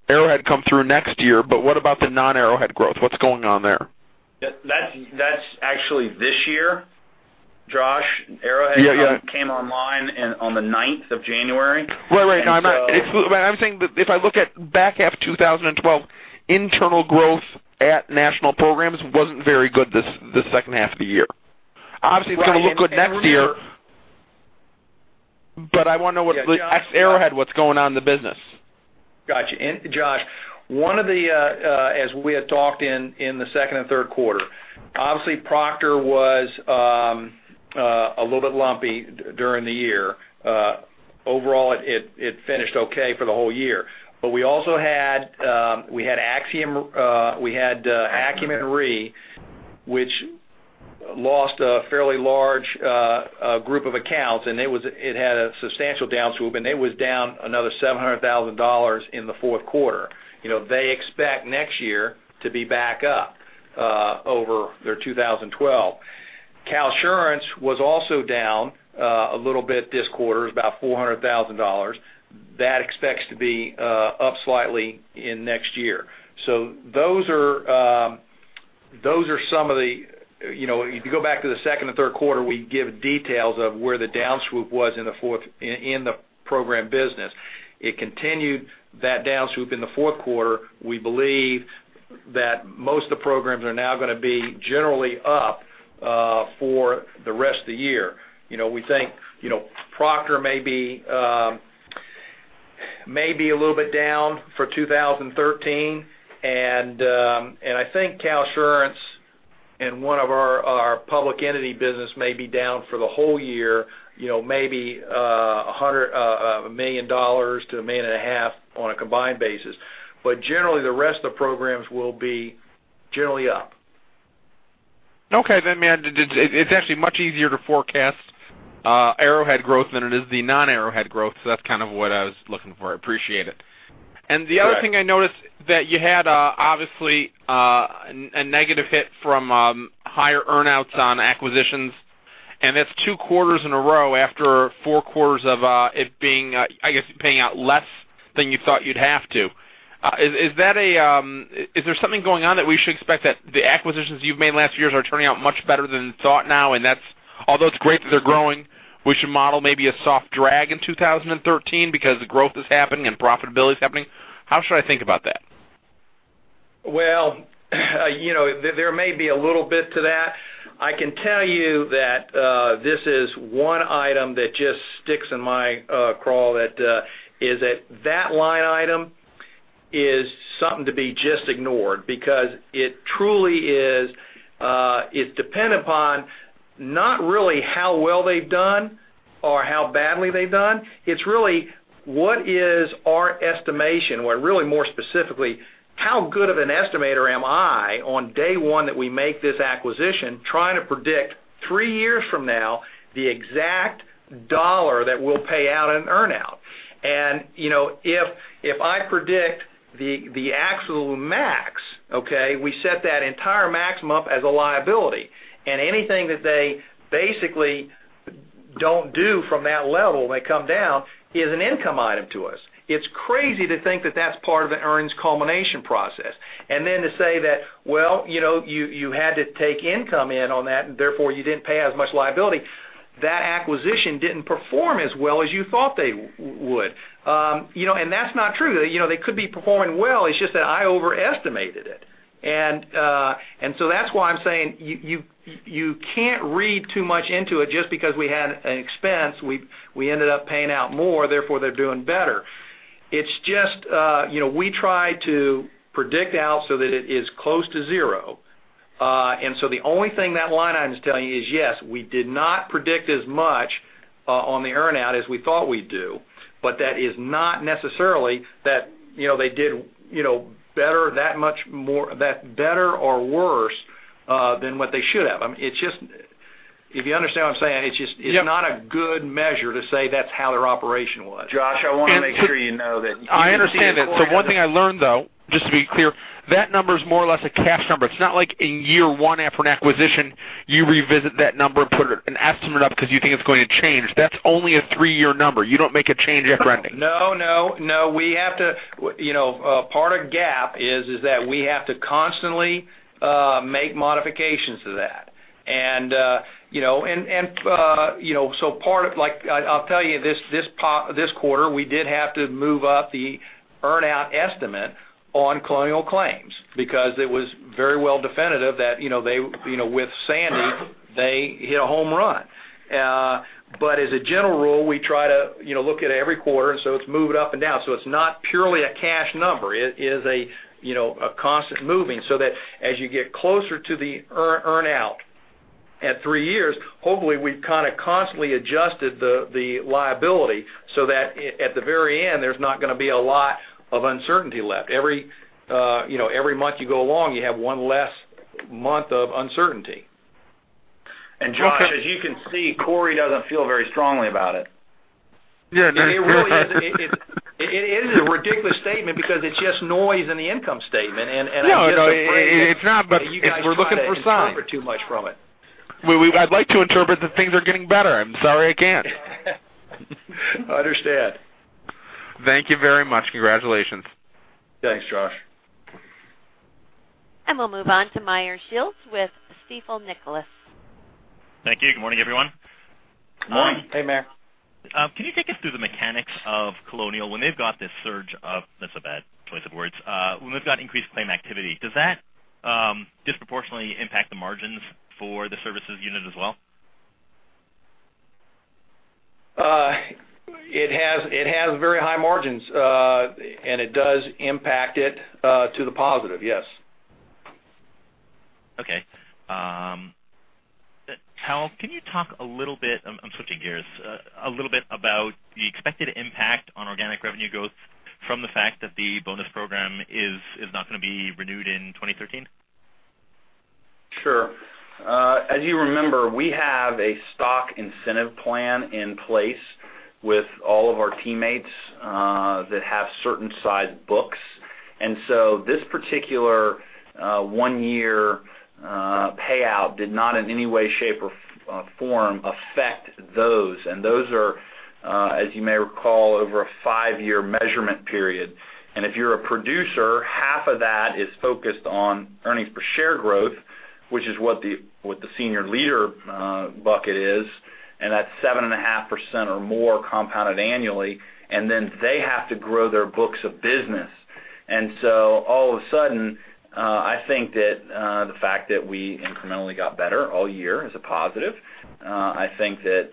Arrowhead come through next year, but what about the non-Arrowhead growth? What's going on there? That's actually this year, Josh. Arrowhead. Yeah Came online on the ninth of January. Right. I'm saying that if I look at back half 2012, internal growth at National Programs wasn't very good this second half of the year. Obviously, it's going to look good next year. Right. I want to know what, ex Arrowhead, what's going on in the business? Got you. Josh, one of the, as we had talked in the second and third quarter, obviously Proctor was a little bit lumpy during the year. Overall, it finished okay for the whole year. We also had Acumen Re, which Lost a fairly large group of accounts, and it had a substantial down swoop, and it was down another $700,000 in the fourth quarter. They expect next year to be back up over their 2012. Cal-Surance was also down a little bit this quarter, it was about $400,000. That expects to be up slightly in next year. If you go back to the second or third quarter, we give details of where the down swoop was in the program business. It continued that down swoop in the fourth quarter. We believe that most of the programs are now going to be generally up for the rest of the year. We think Proctor may be a little bit down for 2013, and I think Cal-Surance and one of our public entity business may be down for the whole year, maybe $100 million to $1.5 million on a combined basis. Generally, the rest of the programs will be generally up. Okay. It's actually much easier to forecast Arrowhead growth than it is the non-Arrowhead growth. That's kind of what I was looking for. I appreciate it. Right. The other thing I noticed that you had, obviously, a negative hit from higher earn-outs on acquisitions, and that's two quarters in a row after four quarters of it being, I guess, paying out less than you thought you'd have to. Is there something going on that we should expect that the acquisitions you've made last year are turning out much better than thought now, and although it's great that they're growing, we should model maybe a soft drag in 2013 because the growth is happening and profitability is happening? How should I think about that? Well, there may be a little bit to that. I can tell you that this is one item that just sticks in my craw, is that line item is something to be just ignored because it truly is dependent upon not really how well they've done or how badly they've done. It's really what is our estimation, or really more specifically, how good of an estimator am I on day one that we make this acquisition, trying to predict three years from now the exact dollar that we'll pay out in an earn-out. If I predict the absolute max, okay, we set that entire maximum up as a liability. Anything that they basically don't do from that level, they come down, is an income item to us. It's crazy to think that that's part of an earnings culmination process. To say that, well, you had to take income in on that, and therefore you didn't pay as much liability. That acquisition didn't perform as well as you thought they would. That's not true. They could be performing well, it's just that I overestimated it. That's why I'm saying you can't read too much into it just because we had an expense, we ended up paying out more, therefore they're doing better. It's just we try to predict out so that it is close to zero. The only thing that line item is telling you is, yes, we did not predict as much on the earn-out as we thought we'd do, but that is not necessarily that they did better or worse than what they should have. If you understand what I'm saying, it's just Yep it's not a good measure to say that's how their operation was. Josh, I want to make sure you know that. I understand it. One thing I learned, though, just to be clear, that number is more or less a cash number. It's not like in year one after an acquisition, you revisit that number and estimate it up because you think it's going to change. That's only a three-year number. You don't make a change after underwriting. No. Part of GAAP is that we have to constantly make modifications to that. I'll tell you, this quarter, we did have to move up the earn-out estimate on Colonial Claims because it was very well definitive that with Hurricane Sandy, they hit a home run. As a general rule, we try to look at it every quarter, and so it's moved up and down. It's not purely a cash number. It is a constant moving so that as you get closer to the earn-out at three years, hopefully, we've kind of constantly adjusted the liability so that at the very end, there's not going to be a lot of uncertainty left. Every month you go along, you have one less month of uncertainty. Josh, as you can see, Cory doesn't feel very strongly about it. Yeah, no It is a ridiculous statement because it's just noise in the income statement, and I just- No, it's not, but if we're looking for signs I don't want you guys to interpret too much from it. Well, I'd like to interpret that things are getting better. I'm sorry I can't. I understand. Thank you very much. Congratulations. Thanks, Josh. We'll move on to Meyer Shields with Stifel Nicolaus. Thank you. Good morning, everyone. Good morning. Hey, Meyer. Can you take us through the mechanics of Colonial? When they've got this that's a bad choice of words. When they've got increased claim activity, does that disproportionately impact the margins for the services unit as well? It has very high margins, it does impact it to the positive, yes. Okay. Can you talk a little bit, I'm switching gears, a little bit about the expected impact on organic revenue growth from the fact that the bonus program is not going to be renewed in 2013? Sure. As you remember, we have a stock incentive plan in place with all of our teammates that have certain size books. This particular one-year payout did not in any way, shape, or form affect those. Those are, as you may recall, over a five-year measurement period. If you're a producer, half of that is focused on earnings per share growth, which is what the senior leader bucket is, and that's 7.5% or more compounded annually. Then they have to grow their books of business. All of a sudden, I think that the fact that we incrementally got better all year is a positive. I think that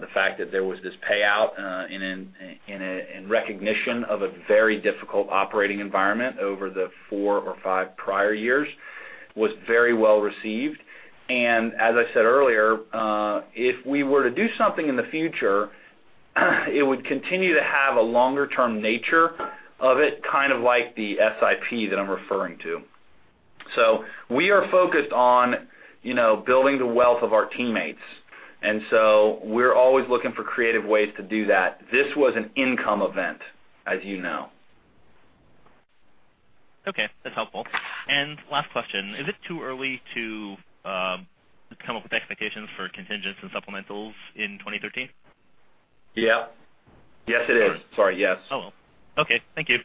the fact that there was this payout in recognition of a very difficult operating environment over the four or five prior years was very well received. As I said earlier, if we were to do something in the future, it would continue to have a longer-term nature of it, kind of like the SIP that I'm referring to. We are focused on building the wealth of our teammates, and so we're always looking for creative ways to do that. This was an income event, as you know. Okay, that's helpful. Last question. Is it too early to come up with expectations for contingents and supplementals in 2013? Yes, it is. Sorry, yes. Oh, well. Okay, thank you.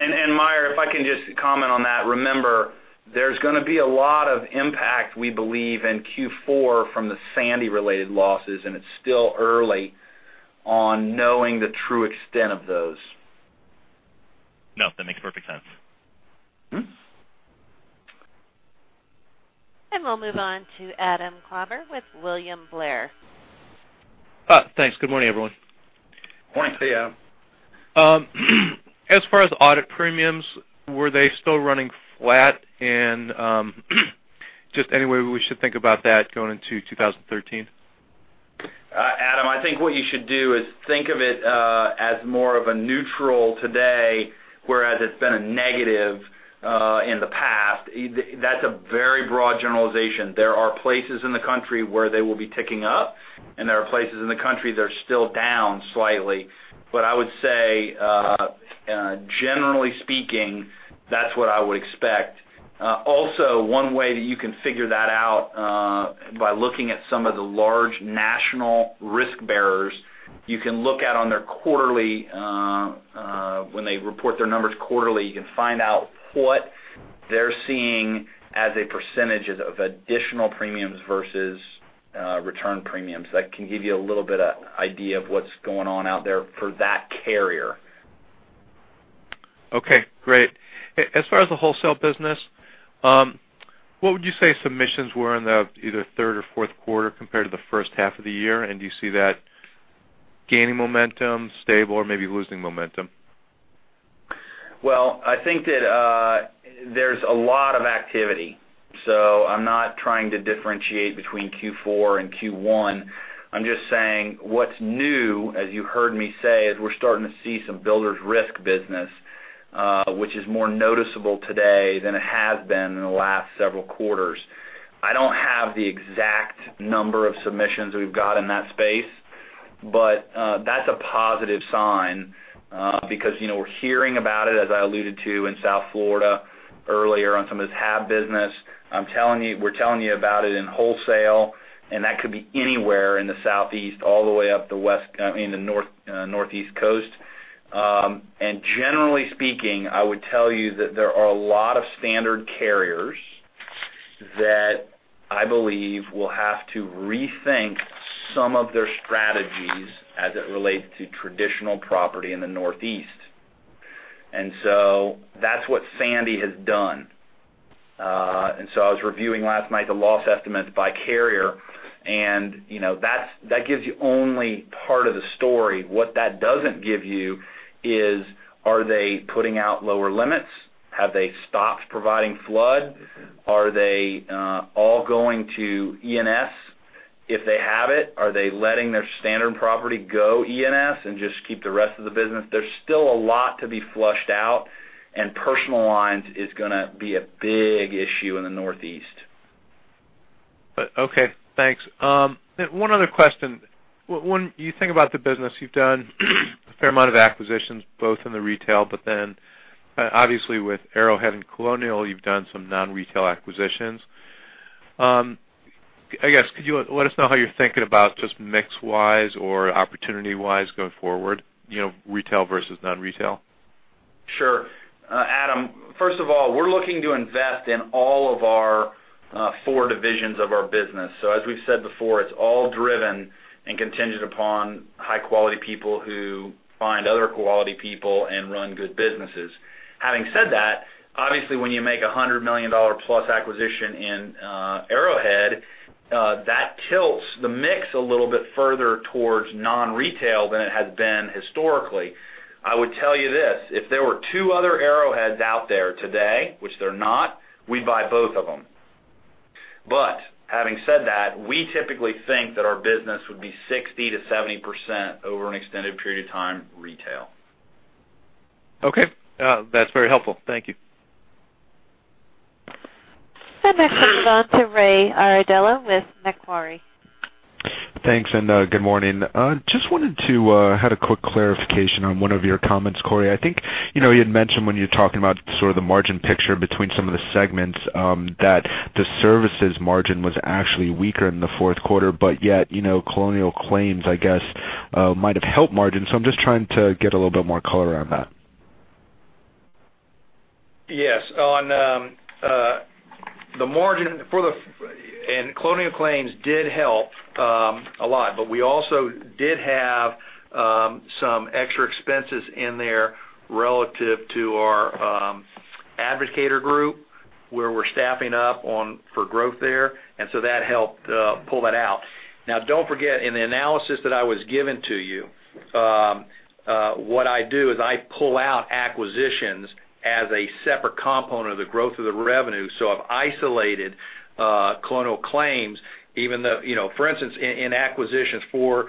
Meyer, if I can just comment on that. Remember, there's going to be a lot of impact, we believe, in Q4 from the Sandy-related losses, it's still early on knowing the true extent of those. No, that makes perfect sense. We'll move on to Adam Klauber with William Blair. Thanks. Good morning, everyone. Morning. Hey, Adam. As far as audit premiums, were they still running flat? Just any way we should think about that going into 2013? Adam, I think what you should do is think of it as more of a neutral today, whereas it's been a negative in the past. That's a very broad generalization. There are places in the country where they will be ticking up, and there are places in the country that are still down slightly. I would say, generally speaking, that's what I would expect. One way that you can figure that out by looking at some of the large national risk bearers, you can look at on their quarterly, when they report their numbers quarterly, you can find out what they're seeing as a percentage of additional premiums versus return premiums. That can give you a little bit of idea of what's going on out there for that carrier. Okay, great. As far as the wholesale business, what would you say submissions were in the either third or fourth quarter compared to the first half of the year? Do you see that gaining momentum, stable, or maybe losing momentum? Well, I think that there's a lot of activity. I'm not trying to differentiate between Q4 and Q1. I'm just saying what's new, as you heard me say, is we're starting to see some builders risk business, which is more noticeable today than it has been in the last several quarters. I don't have the exact number of submissions we've got in that space, but that's a positive sign because we're hearing about it, as I alluded to in South Florida earlier on some of this HAB business. We're telling you about it in wholesale, that could be anywhere in the Southeast all the way up the Northeast coast. Generally speaking, I would tell you that there are a lot of standard carriers that I believe will have to rethink some of their strategies as it relates to traditional property in the Northeast. That's what Hurricane Sandy has done. I was reviewing last night the loss estimates by carrier, that gives you only part of the story. What that doesn't give you is, are they putting out lower limits? Have they stopped providing flood? Are they all going to E&S if they have it? Are they letting their standard property go E&S and just keep the rest of the business? There's still a lot to be flushed out, personal lines is going to be a big issue in the Northeast. Okay, thanks. One other question. When you think about the business, you've done a fair amount of acquisitions both in the retail, obviously with Arrowhead and Colonial, you've done some non-retail acquisitions. I guess, could you let us know how you're thinking about just mix-wise or opportunity-wise going forward, retail versus non-retail? Sure. Adam, first of all, we're looking to invest in all of our four divisions of our business. As we've said before, it's all driven and contingent upon high-quality people who find other quality people and run good businesses. Having said that, obviously, when you make $100 million-plus acquisition in Arrowhead, that tilts the mix a little bit further towards non-retail than it has been historically. I would tell you this, if there were two other Arrowheads out there today, which they're not, we'd buy both of them. Having said that, we typically think that our business would be 60%-70% over an extended period of time, retail. Okay. That's very helpful. Thank you. Next, we'll go on to Raymond Vandetta with Macquarie. Thanks, and good morning. Just wanted to have a quick clarification on one of your comments, Cory. I think you had mentioned when you're talking about sort of the margin picture between some of the segments, that the services margin was actually weaker in the fourth quarter. Yet, Colonial Claims, I guess, might have helped margins. I'm just trying to get a little bit more color on that. Yes. Colonial Claims did help a lot, but we also did have some extra expenses in there relative to our The Advocator Group, where we're staffing up for growth there. That helped pull that out. Now, don't forget, in the analysis that I was giving to you, what I do is I pull out acquisitions as a separate component of the growth of the revenue. I've isolated Colonial Claims, even though, for instance, in acquisitions for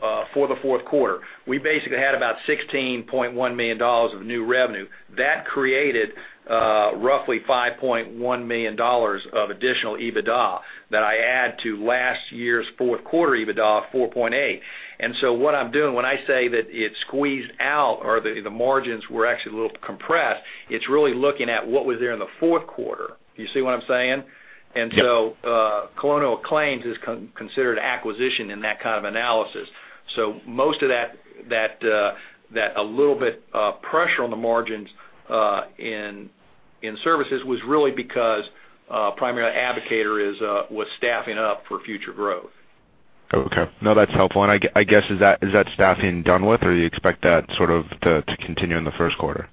the fourth quarter, we basically had about $16.1 million of new revenue. That created roughly $5.1 million of additional EBITDA that I add to last year's fourth quarter EBITDA of $4.8 million. What I'm doing when I say that it squeezed out, or the margins were actually a little compressed, it's really looking at what was there in the fourth quarter. Do you see what I'm saying? Yes. Colonial Claims is considered acquisition in that kind of analysis. Most of that a little bit of pressure on the margins in services was really because primarily The Advocator Group was staffing up for future growth. Okay. No, that's helpful. I guess, is that staffing done with, or do you expect that sort of to continue in the first quarter?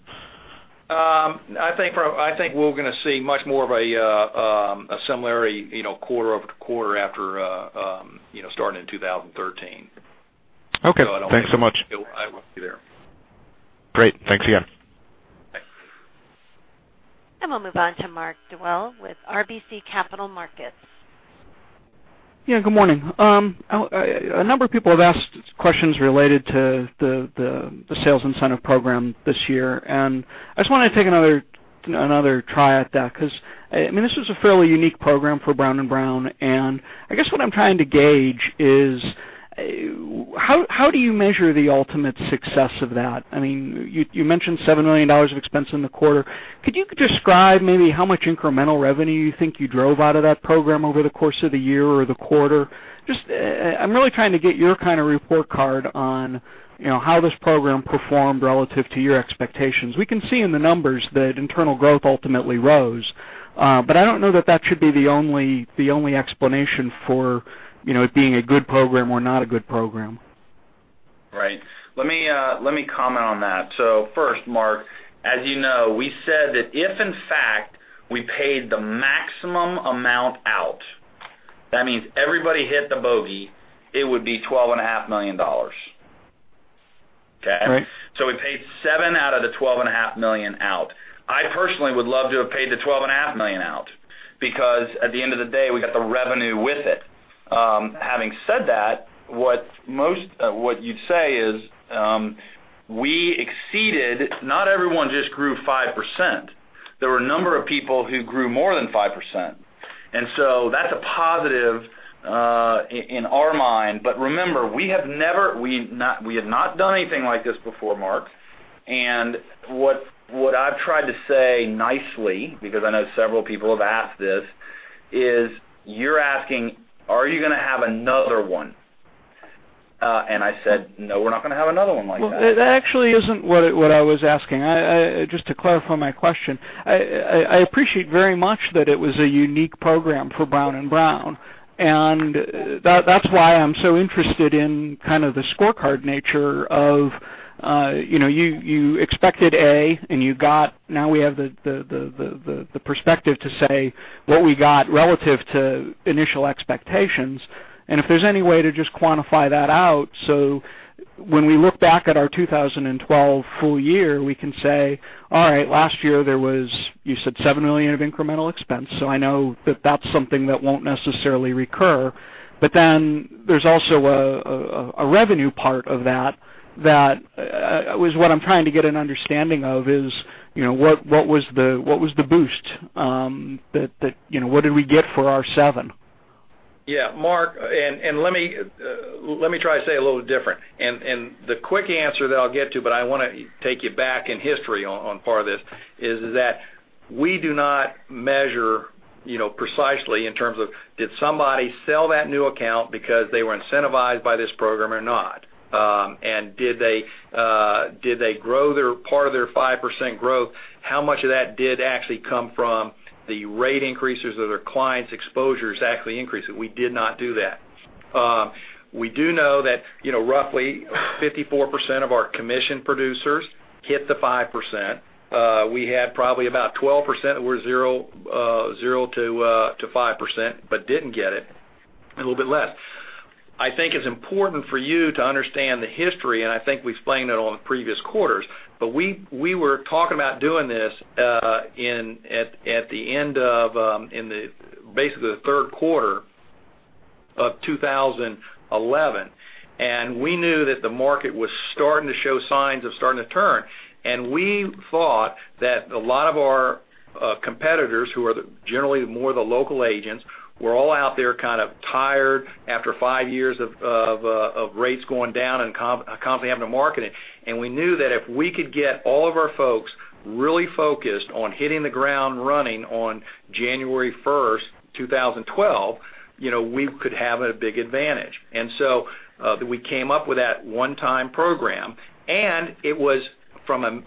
I think we're going to see much more of a similarity quarter-over-quarter after starting in 2013. Okay. Thanks so much. I wouldn't be there. Great. Thanks again. Bye. We'll move on to Mark Dwelle with RBC Capital Markets. Yeah, good morning. A number of people have asked questions related to the Sales Incentive Program this year, I just want to take another try at that, because, this was a fairly unique program for Brown & Brown. I guess what I'm trying to gauge is, how do you measure the ultimate success of that? You mentioned $7 million of expense in the quarter. Could you describe maybe how much incremental revenue you think you drove out of that program over the course of the year or the quarter? I'm really trying to get your kind of report card on how this program performed relative to your expectations. We can see in the numbers that internal growth ultimately rose. I don't know that that should be the only explanation for it being a good program or not a good program. Right. Let me comment on that. First, Mark, as you know, we said that if in fact we paid the maximum amount out, that means everybody hit the bogey, it would be $12.5 million. Okay? Right. We paid $7 million out of the $12.5 million out. I personally would love to have paid the $12.5 million out, because at the end of the day, we got the revenue with it. Having said that, what you'd say is, we exceeded, not everyone just grew 5%. There were a number of people who grew more than 5%. That's a positive in our mind, remember, we have not done anything like this before, Mark. What I've tried to say nicely, because I know several people have asked this, is you're asking, are you going to have another one? I said, "No, we're not going to have another one like that. Well, that actually isn't what I was asking. Just to clarify my question, I appreciate very much that it was a unique program for Brown & Brown, and that's why I'm so interested in kind of the scorecard nature of, you expected A and now we have the perspective to say what we got relative to initial expectations, and if there's any way to just quantify that out, so when we look back at our 2012 full year, we can say, all right, last year there was, you said $7 million of incremental expense, so I know that that's something that won't necessarily recur. There's also a revenue part of that was what I'm trying to get an understanding of is, what was the boost? What did we get for our seven? Yeah. Mark, let me try to say it a little different. The quick answer that I'll get to, but I want to take you back in history on part of this, is that we do not measure precisely in terms of did somebody sell that new account because they were incentivized by this program or not? Did they grow part of their 5% growth? How much of that did actually come from the rate increases of their clients' exposures actually increasing? We did not do that. We do know that roughly 54% of our commission producers hit the 5%. We had probably about 12% that were zero to 5%, but didn't get it, and a little bit less. I think it's important for you to understand the history, and I think we explained it on previous quarters. We were talking about doing this at the end of, basically the third quarter of 2011. We knew that the market was starting to show signs of starting to turn. We thought that a lot of our competitors, who are generally more the local agents, were all out there kind of tired after five years of rates going down and consequently having to market it. We knew that if we could get all of our folks really focused on hitting the ground running on January 1st, 2012, we could have a big advantage. We came up with that one-time program, and from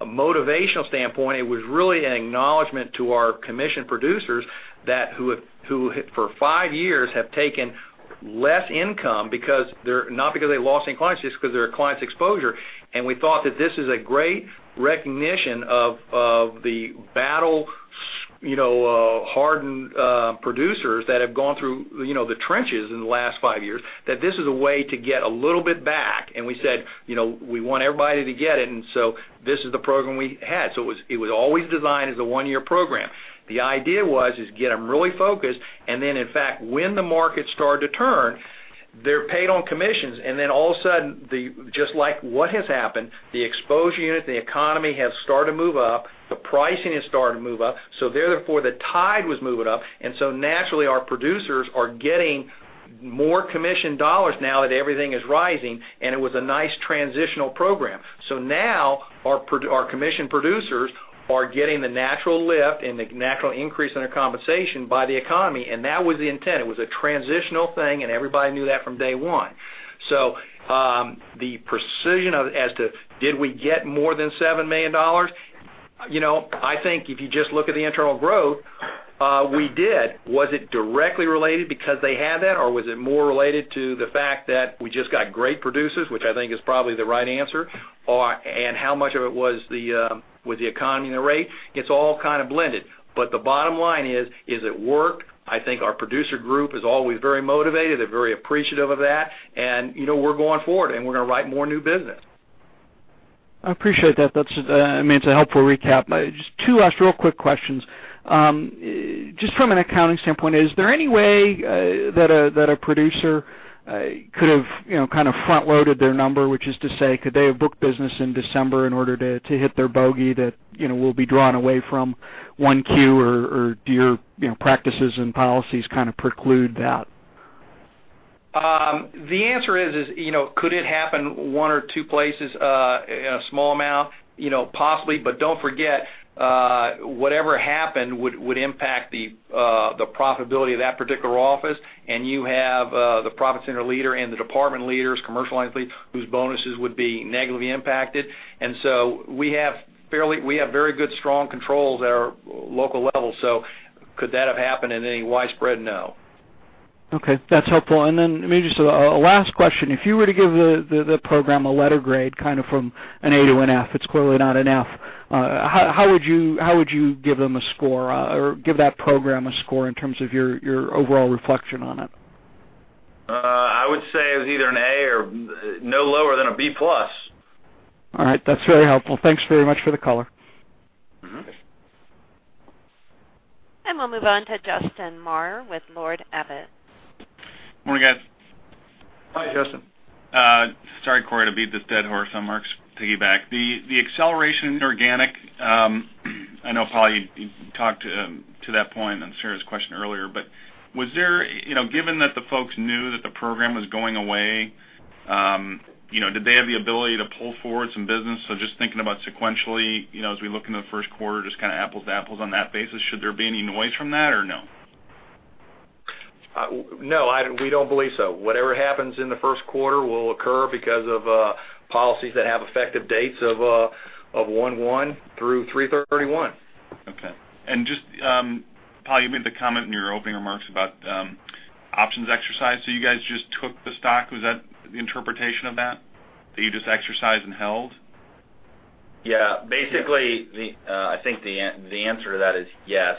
a motivational standpoint, it was really an acknowledgment to our commission producers that, who for five years have taken less income, not because they lost any clients, just because of their clients' exposure. We thought that this is a great recognition of the battle-hardened producers that have gone through the trenches in the last five years, that this is a way to get a little bit back. We said, we want everybody to get it, and so this is the program we had. It was always designed as a one-year program. The idea was, is get them really focused, and then, in fact, when the market started to turn, they're paid on commissions, and then all of a sudden, just like what has happened, the exposure unit, the economy has started to move up, the pricing has started to move up. Therefore, the tide was moving up. Naturally, our producers are getting more commission dollars now that everything is rising, and it was a nice transitional program. Now our commission producers are getting the natural lift and the natural increase in their compensation by the economy, and that was the intent. It was a transitional thing, and everybody knew that from day one. The precision as to did we get more than $7 million? I think if you just look at the internal growth, we did. Was it directly related because they had that, or was it more related to the fact that we just got great producers, which I think is probably the right answer, and how much of it was the economy and the rate? Gets all kind of blended. But the bottom line is, it worked. I think our producer group is always very motivated. They're very appreciative of that, and we're going forward, and we're going to write more new business. I appreciate that. That's a helpful recap. Just two last real quick questions. Just from an accounting standpoint, is there any way that a producer could have front-loaded their number, which is to say, could they have booked business in December in order to hit their bogey that will be drawn away from 1Q, or do your practices and policies kind of preclude that? The answer is, could it happen one or two places, a small amount? Possibly, don't forget, whatever happened would impact the profitability of that particular office, and you have the profit center leader and the department leaders, commercial entity, whose bonuses would be negatively impacted. Could that have happened in any widespread? No. Okay. That's helpful. Then maybe just a last question. If you were to give the program a letter grade, kind of from an A to an F, it's clearly not an F, how would you give them a score, or give that program a score in terms of your overall reflection on it? I would say it's either an A or no lower than a B+. All right. That's very helpful. Thanks very much for the color. We'll move on to Justine Maurer with Lord Abbett. Morning, guys. Hi, Justin. Sorry, Cory, to beat this dead horse. I'm going to piggyback. The acceleration organic, I know, Powell, you talked to that point on Sarah's question earlier. Given that the folks knew that the program was going away, did they have the ability to pull forward some business? Just thinking about sequentially, as we look into the first quarter, just kind of apples to apples on that basis, should there be any noise from that or no? No, we don't believe so. Whatever happens in the first quarter will occur because of policies that have effective dates of 01/01 through 03/31. Okay. Just, Powell, you made the comment in your opening remarks about options exercise. You guys just took the stock. Was that the interpretation of that? That you just exercised and held? Yeah. Basically, I think the answer to that is yes.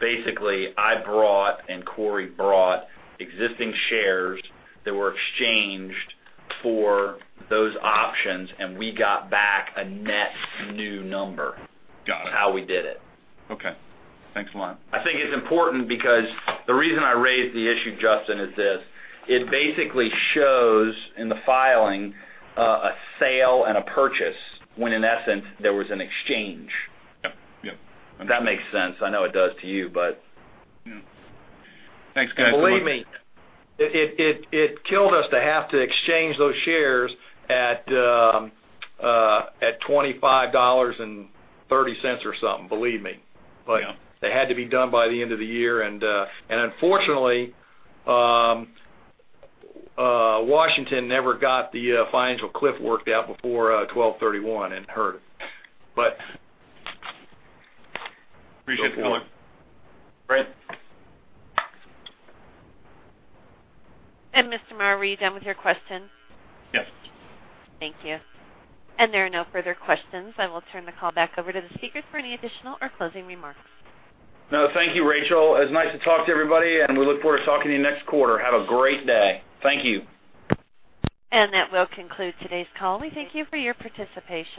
Basically, I brought, and Corey brought existing shares that were exchanged for those options, and we got back a net new number- Got it. How we did it. Okay. Thanks a lot. I think it's important because the reason I raised the issue, Justin, is this. It basically shows in the filing a sale and a purchase when in essence there was an exchange. Yep. If that makes sense. I know it does to you. Yeah. Thanks, guys. Believe me, it killed us to have to exchange those shares at $25.30 or something. Believe me. Yeah. They had to be done by the end of the year. Unfortunately, Washington never got the financial cliff worked out before 12/31 and hurt us. Appreciate the call in. Great. Mr. Maher, were you done with your question? Yes. Thank you. There are no further questions. I will turn the call back over to the speakers for any additional or closing remarks. No, thank you, Rochelle. It was nice to talk to everybody. We look forward to talking to you next quarter. Have a great day. Thank you. That will conclude today's call. We thank you for your participation.